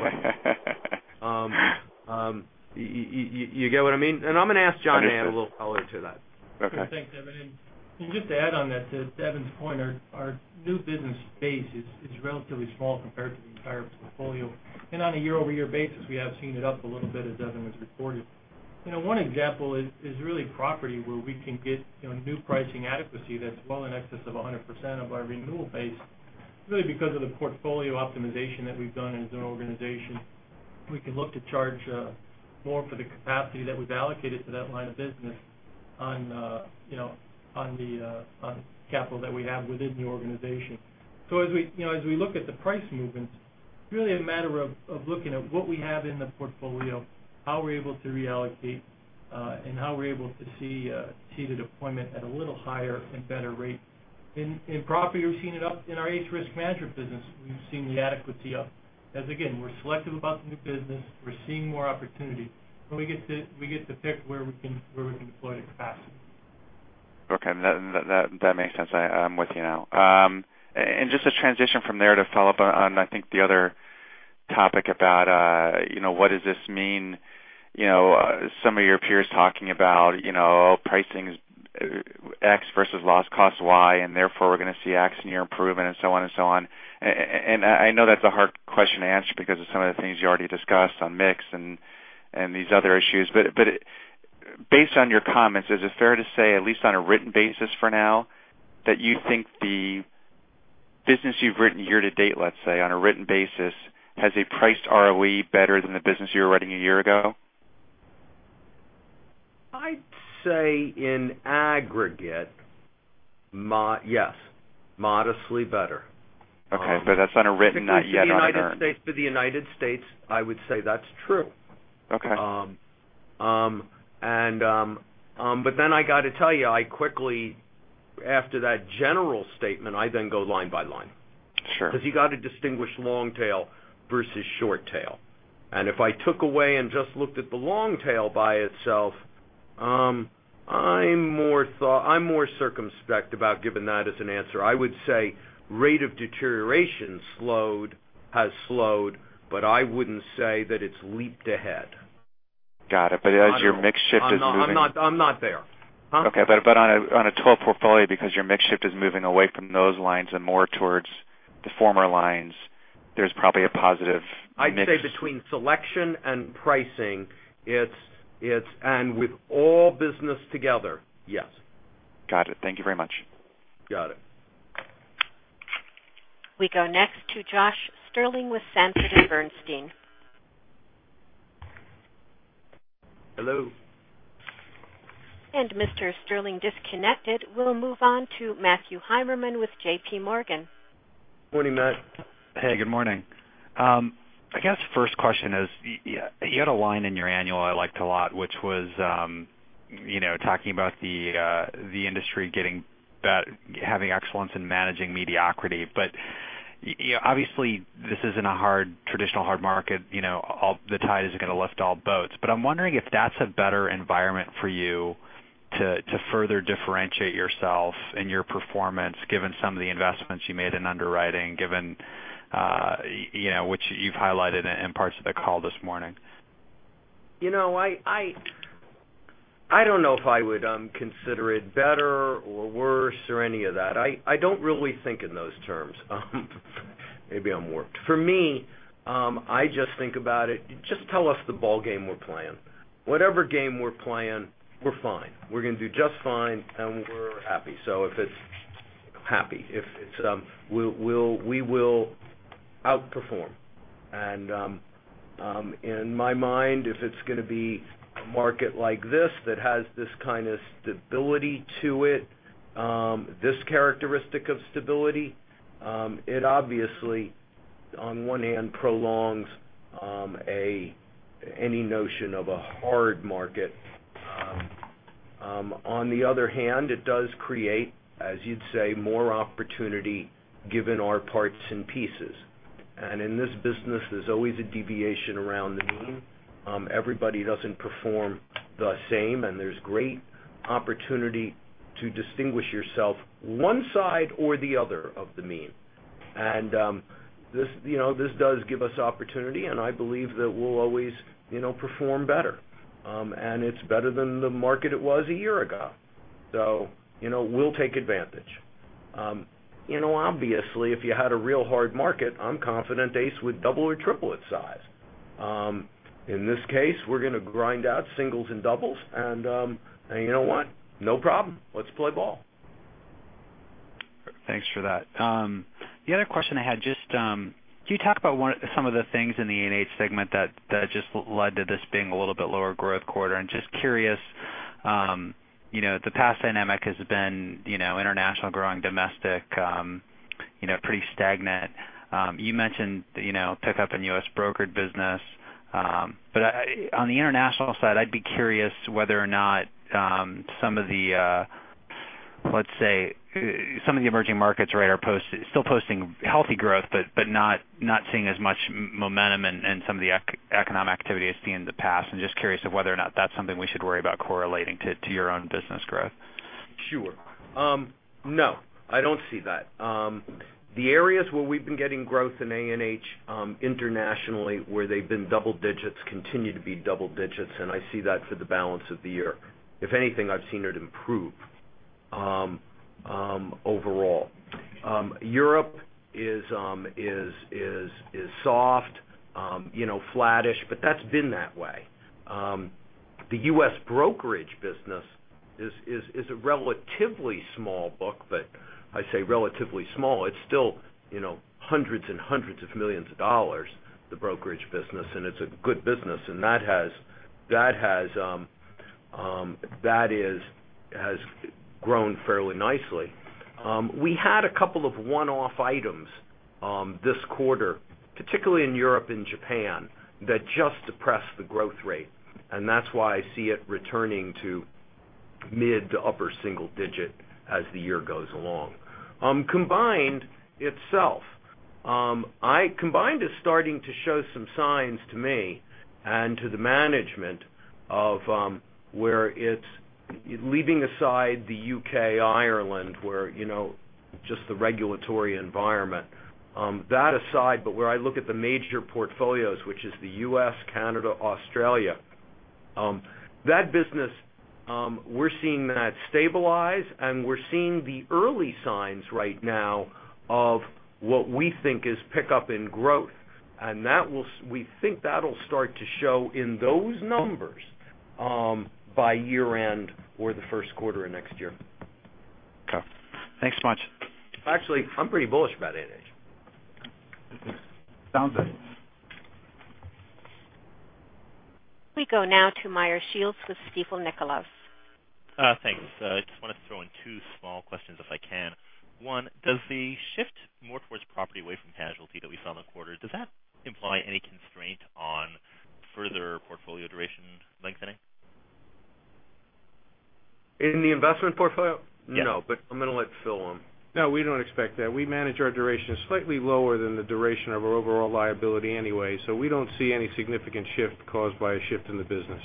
question. You get what I mean? I'm going to ask John to add a little color to that. Okay. Thanks, Evan. Just to add on that, to Evan's point, our new business base is relatively small compared to the entire portfolio. On a year-over-year basis, we have seen it up a little bit, as Evan was reporting. One example is really property where we can get new pricing adequacy that's well in excess of 100% of our renewal base, really because of the portfolio optimization that we've done as an organization. We can look to charge more for the capacity that we've allocated to that line of business on capital that we have within the organization. As we look at the price movements, really a matter of looking at what we have in the portfolio, how we're able to reallocate, and how we're able to see the deployment at a little higher and better rate. In property, we've seen it up in our A&H risk management business. We've seen the adequacy up. Again, we're selective about new business. We're seeing more opportunity, we get to pick where we can deploy the capacity. Okay. That makes sense. I'm with you now. Just to transition from there to follow up on, I think, the other topic about what does this mean? Some of your peers talking about pricing X versus lost cost Y, therefore we're going to see X near improvement and so on. I know that's a hard question to answer because of some of the things you already discussed on mix and these other issues. Based on your comments, is it fair to say, at least on a written basis for now, that you think the business you've written year-to-date, let's say, on a written basis, has a priced ROE better than the business you were writing a year ago? I'd say in aggregate, yes. Modestly better. Okay. That's on a written, not yet unearned. For the U.S., I would say that's true. Okay. I got to tell you, I quickly, after that general statement, I then go line by line. Sure. You got to distinguish long tail versus short tail. If I took away and just looked at the long tail by itself, I'm more circumspect about giving that as an answer. I would say rate of deterioration has slowed, but I wouldn't say that it's leaped ahead. Got it. As your mix shift is moving- I'm not there. Huh? Okay. On a total portfolio, because your mix shift is moving away from those lines and more towards the former lines, there's probably a positive mix. I'd say between selection and pricing, with all business together, yes. Got it. Thank you very much. Got it. We go next to Josh Stirling with Sanford C. Bernstein. Hello. Mr. Sterling disconnected. We'll move on to Matthew Heimermann with J.P. Morgan. Morning, Matt. Hey, good morning. I guess first question is, you had a line in your annual I liked a lot, which was talking about the industry having excellence in managing mediocrity. Obviously, this isn't a traditional hard market. The tide isn't going to lift all boats, but I'm wondering if that's a better environment for you to further differentiate yourself and your performance, given some of the investments you made in underwriting, given which you've highlighted in parts of the call this morning. I don't know if I would consider it better or worse or any of that. I don't really think in those terms. Maybe I'm warped. For me, I just think about it, just tell us the ballgame we're playing. Whatever game we're playing, we're fine. We're going to do just fine, and we're happy. We will outperform. In my mind, if it's going to be a market like this that has this kind of stability to it, this characteristic of stability, it obviously, on one hand, prolongs any notion of a hard market. On the other hand, it does create, as you'd say, more opportunity given our parts and pieces. In this business, there's always a deviation around the mean. Everybody doesn't perform the same, and there's great opportunity to distinguish yourself one side or the other of the mean. This does give us opportunity, and I believe that we'll always perform better. It's better than the market it was a year ago. We'll take advantage. Obviously, if you had a real hard market, I'm confident ACE would double or triple its size. In this case, we're going to grind out singles and doubles, and you know what? No problem. Let's play ball. Thanks for that. The other question I had, could you talk about some of the things in the A&H segment that just led to this being a little bit lower growth quarter? Just curious, the past dynamic has been international growing, domestic pretty stagnant. You mentioned pickup in U.S. brokered business. On the international side, I'd be curious whether or not some of the, let's say, some of the emerging markets are still posting healthy growth, but not seeing as much momentum in some of the economic activity that's seen in the past. I'm just curious of whether or not that's something we should worry about correlating to your own business growth. Sure. No, I don't see that. The areas where we've been getting growth in A&H internationally, where they've been double digits, continue to be double digits, and I see that for the balance of the year. If anything, I've seen it improve overall. Europe is soft, flattish, but that's been that way. The U.S. brokerage business is a relatively small book, but I say relatively small. It's still hundreds and hundreds of millions of dollars, the brokerage business, and it's a good business, and that has grown fairly nicely. We had a couple of one-off items this quarter, particularly in Europe and Japan, that just depressed the growth rate, and that's why I see it returning to mid to upper single digit as the year goes along. Combined itself. Combined is starting to show some signs to me and to the management of where it's leaving aside the U.K., Ireland, where just the regulatory environment. That aside, where I look at the major portfolios, which is the U.S., Canada, Australia, that business, we're seeing that stabilize, and we're seeing the early signs right now of what we think is pick up in growth. We think that'll start to show in those numbers by year end or the first quarter of next year. Okay. Thanks so much. Actually, I'm pretty bullish about A&H. Sounds good. We go now to Meyer Shields with Stifel Nicolaus. Thanks. I just want to throw in two small questions if I can. One, does the shift more towards property away from casualty that we saw in the quarter, does that imply any constraint on further portfolio duration lengthening? In the investment portfolio? Yes. No, I'm going to let Phil on. No, we don't expect that. We manage our duration slightly lower than the duration of our overall liability anyway. We don't see any significant shift caused by a shift in the business.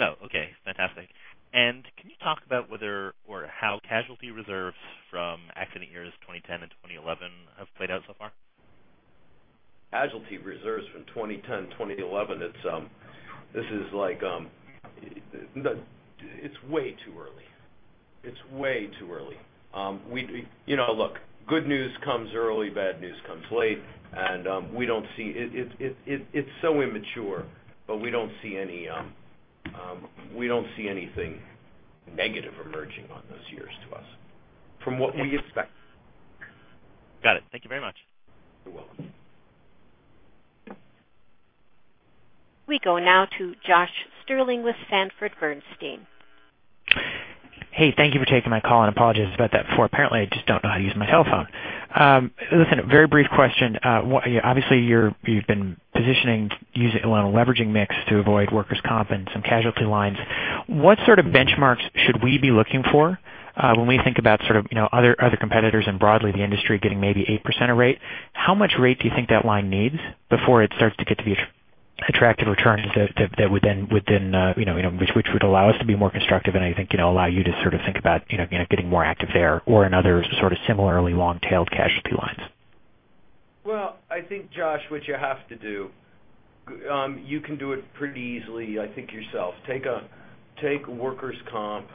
Okay. Fantastic. Can you talk about whether or how casualty reserves from accident years 2010 and 2011 have played out so far? Casualty reserves from 2010, 2011, it's way too early. Look, good news comes early, bad news comes late. It's so immature, but we don't see anything negative emerging on those years to us from what we expect. Got it. Thank you very much. You're welcome. We go now to Josh Sterling with Sanford C. Bernstein. Hey, thank you for taking my call, and apologies about that before. Apparently, I just don't know how to use my cellphone. Listen, a very brief question. Obviously, you've been positioning leveraging mix to avoid workers' comp in some casualty lines. What sort of benchmarks should we be looking for when we think about sort of other competitors and broadly the industry getting maybe 8% a rate? How much rate do you think that line needs before it starts to get to be attractive returns, which would allow us to be more constructive and I think allow you to sort of think about getting more active there or in other sort of similarly long-tailed casualty lines? Well, I think, Josh, what you have to do, you can do it pretty easily, I think yourself. Take workers' comp,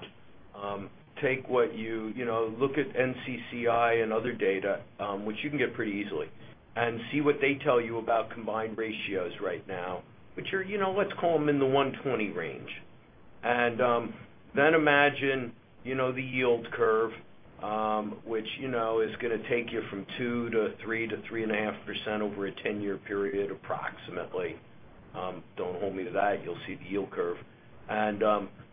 look at NCCI and other data, which you can get pretty easily, and see what they tell you about combined ratios right now, which are, let's call them in the 120 range. Imagine the yield curve which is going to take you from two to three to 3.5% over a 10 year period approximately. Don't hold me to that. You'll see the yield curve.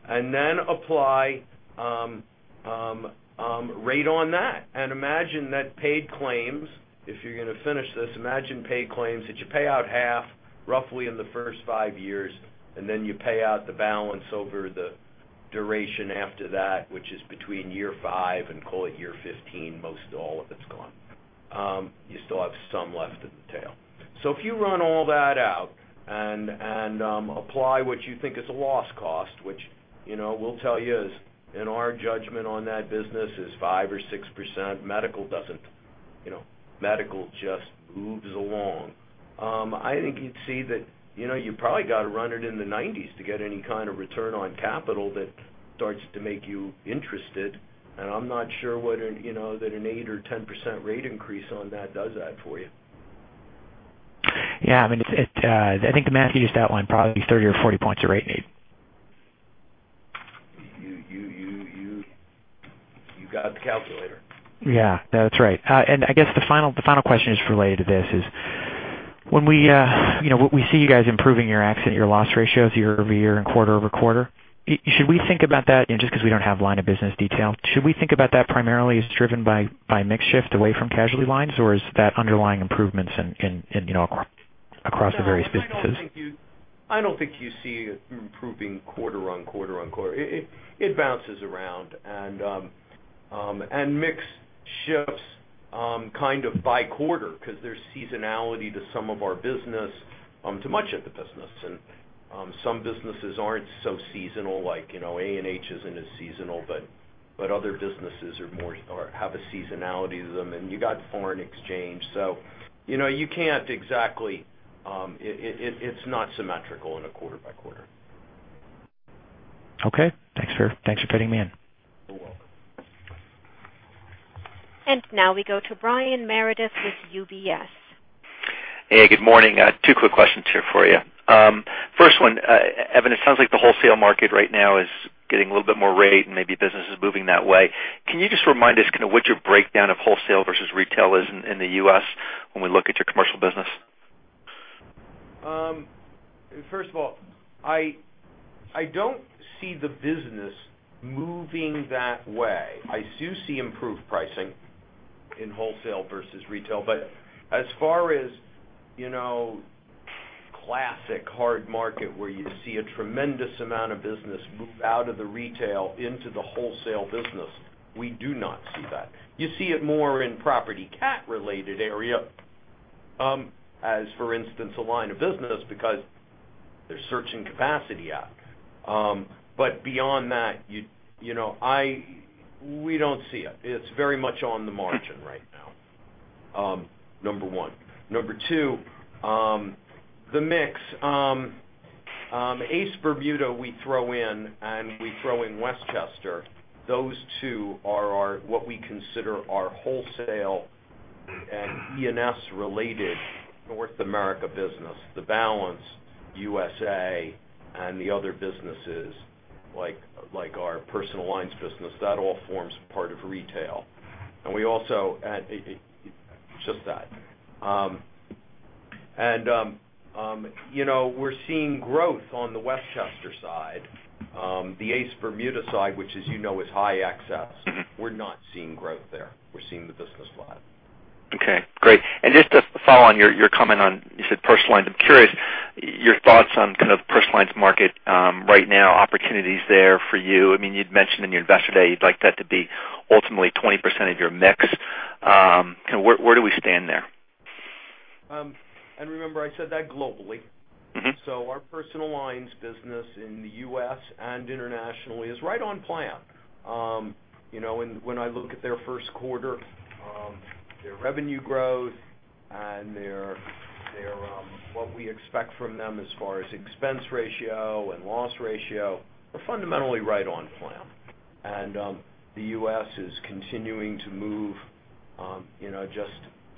Apply a rate on that and imagine that paid claims, if you're going to finish this, imagine paid claims that you pay out half roughly in the first five years, and then you pay out the balance over the duration after that, which is between year five and call it year 15, most all of it's gone. You still have some left at the tail. If you run all that out and apply what you think is a loss cost, which we'll tell you is in our judgment on that business is 5% or 6%. Medical just moves along. I think you'd see that you probably got to run it in the 90s to get any kind of return on capital that starts to make you interested, and I'm not sure that an 8% or 10% rate increase on that does that for you. Yeah. I think the math you just outlined probably 30 or 40 points of rate need. You got the calculator. Yeah. No, that's right. I guess the final question is related to this is, we see you guys improving your accident, your loss ratios year-over-year and quarter-over-quarter. Should we think about that, and just because we don't have line of business detail, should we think about that primarily as driven by mix shift away from casualty lines, or is that underlying improvements across the various businesses? No, I don't think you see it improving quarter on quarter on quarter. It bounces around, Mix shifts kind of by quarter because there's seasonality to some of our business, to much of the business. Some businesses aren't so seasonal, like A&H isn't as seasonal, but other businesses have a seasonality to them, You got foreign exchange. It's not symmetrical in a quarter by quarter. Okay, thanks for fitting me in. You're welcome. Now we go to Brian Meredith with UBS. Hey, good morning. Two quick questions here for you. First one, Evan, it sounds like the wholesale market right now is getting a little bit more rate, and maybe business is moving that way. Can you just remind us kind of what your breakdown of wholesale versus retail is in the U.S. when we look at your commercial business? First of all, I don't see the business moving that way. I do see improved pricing in wholesale versus retail. As far as classic hard market where you see a tremendous amount of business move out of the retail into the wholesale business, we do not see that. You see it more in property cat related area as, for instance, a line of business because they're searching capacity out. Beyond that, we don't see it. It's very much on the margin right now, number one. Number two, the mix. ACE Bermuda we throw in and we throw in Westchester. Those two are what we consider our wholesale and E&S related North America business. The balance, USA, and the other businesses like our personal lines business, that all forms part of retail. It's just that. We're seeing growth on the Westchester side. The ACE Bermuda side, which as you know, is high excess, we're not seeing growth there. We're seeing the business flat. Okay, great. Just to follow on your comment on, you said personal lines. I'm curious, your thoughts on kind of personal lines market right now, opportunities there for you. You'd mentioned in your Investor Day, you'd like that to be ultimately 20% of your mix. Where do we stand there? Remember I said that globally. Our personal lines business in the U.S. and internationally is right on plan. When I look at their first quarter, their revenue growth and what we expect from them as far as expense ratio and loss ratio are fundamentally right on plan. The U.S. is continuing to move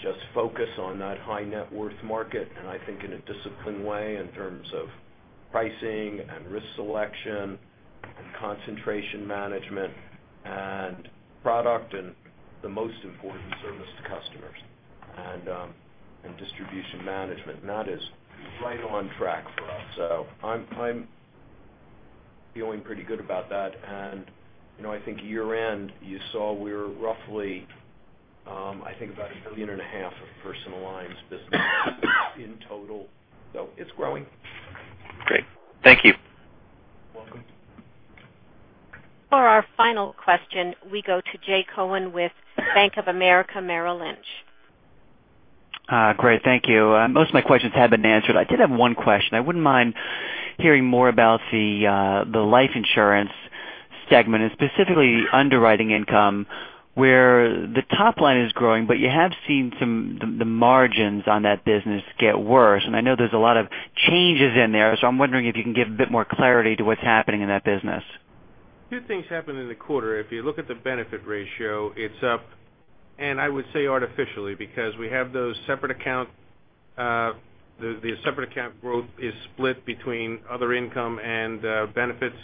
just focus on that high net worth market, and I think in a disciplined way in terms of pricing and risk selection and concentration management and product and the most important service to customers and distribution management. That is right on track for us. I'm feeling pretty good about that. I think year end, you saw we were roughly, I think about a billion and a half of personal lines business in total. It's growing. Great. Thank you. Welcome. For our final question, we go to Jay Cohen with Bank of America Merrill Lynch. Great. Thank you. Most of my questions have been answered. I did have one question. I wouldn't mind hearing more about the life insurance segment, and specifically underwriting income, where the top line is growing, but you have seen the margins on that business get worse, and I know there's a lot of changes in there. I'm wondering if you can give a bit more clarity to what's happening in that business. Two things happened in the quarter. If you look at the benefit ratio, it's up, and I would say artificially, because the separate account growth is split between other income and benefits.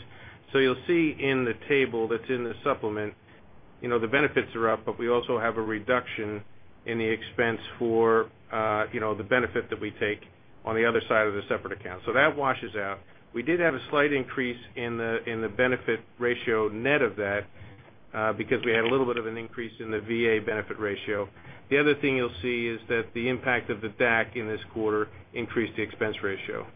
You'll see in the table that's in the supplement the benefits are up, but we also have a reduction in the expense for the benefit that we take on the other side of the separate account. That washes out. We did have a slight increase in the benefit ratio net of that. Because we had a little bit of an increase in the VA benefit ratio. The other thing you'll see is that the impact of the DAC in this quarter increased the expense ratio.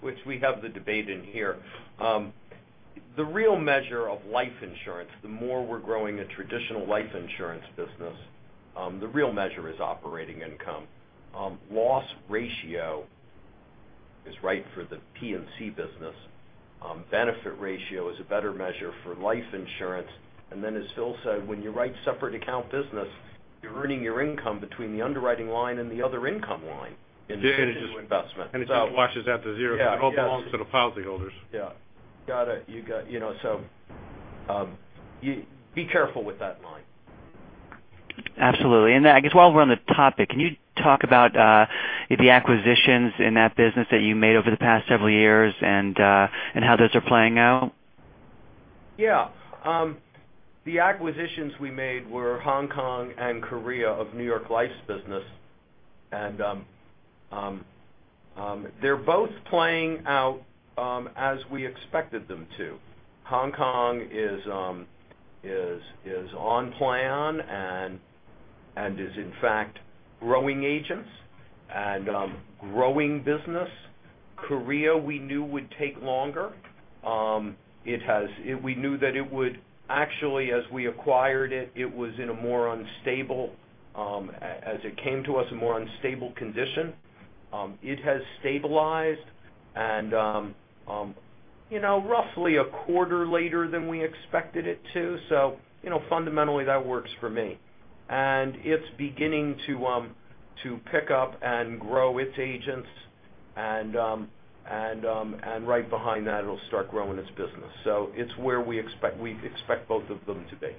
Which we have the debate in here. The real measure of life insurance, the more we're growing a traditional life insurance business, the real measure is operating income. Loss ratio is right for the P&C business. Benefit ratio is a better measure for life insurance. Then as Phil said, when you write separate account business, you're earning your income between the underwriting line and the other income line into investment. It just washes out to zero because it all belongs to the policyholders. Yeah. Got it. Be careful with that line. Absolutely. I guess while we're on the topic, can you talk about the acquisitions in that business that you made over the past several years and how those are playing out? Yeah. The acquisitions we made were Hong Kong and Korea of New York Life's business, and they're both playing out as we expected them to. Hong Kong is on plan and is in fact growing agents and growing business. Korea, we knew would take longer. We knew that actually as we acquired it was in a more unstable, as it came to us, a more unstable condition. It has stabilized and roughly a quarter later than we expected it to, fundamentally that works for me. It's beginning to pick up and grow its agents and right behind that it'll start growing its business. It's where we expect both of them to be.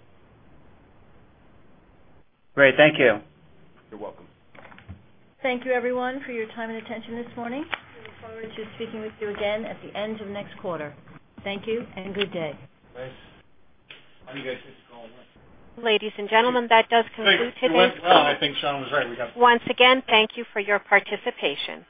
Great. Thank you. You're welcome. Thank you everyone for your time and attention this morning. We look forward to speaking with you again at the end of next quarter. Thank you and good day. Thanks. How do you guys think it's going? Ladies and gentlemen, that does conclude today's call. I think Sean was right. Once again, thank you for your participation.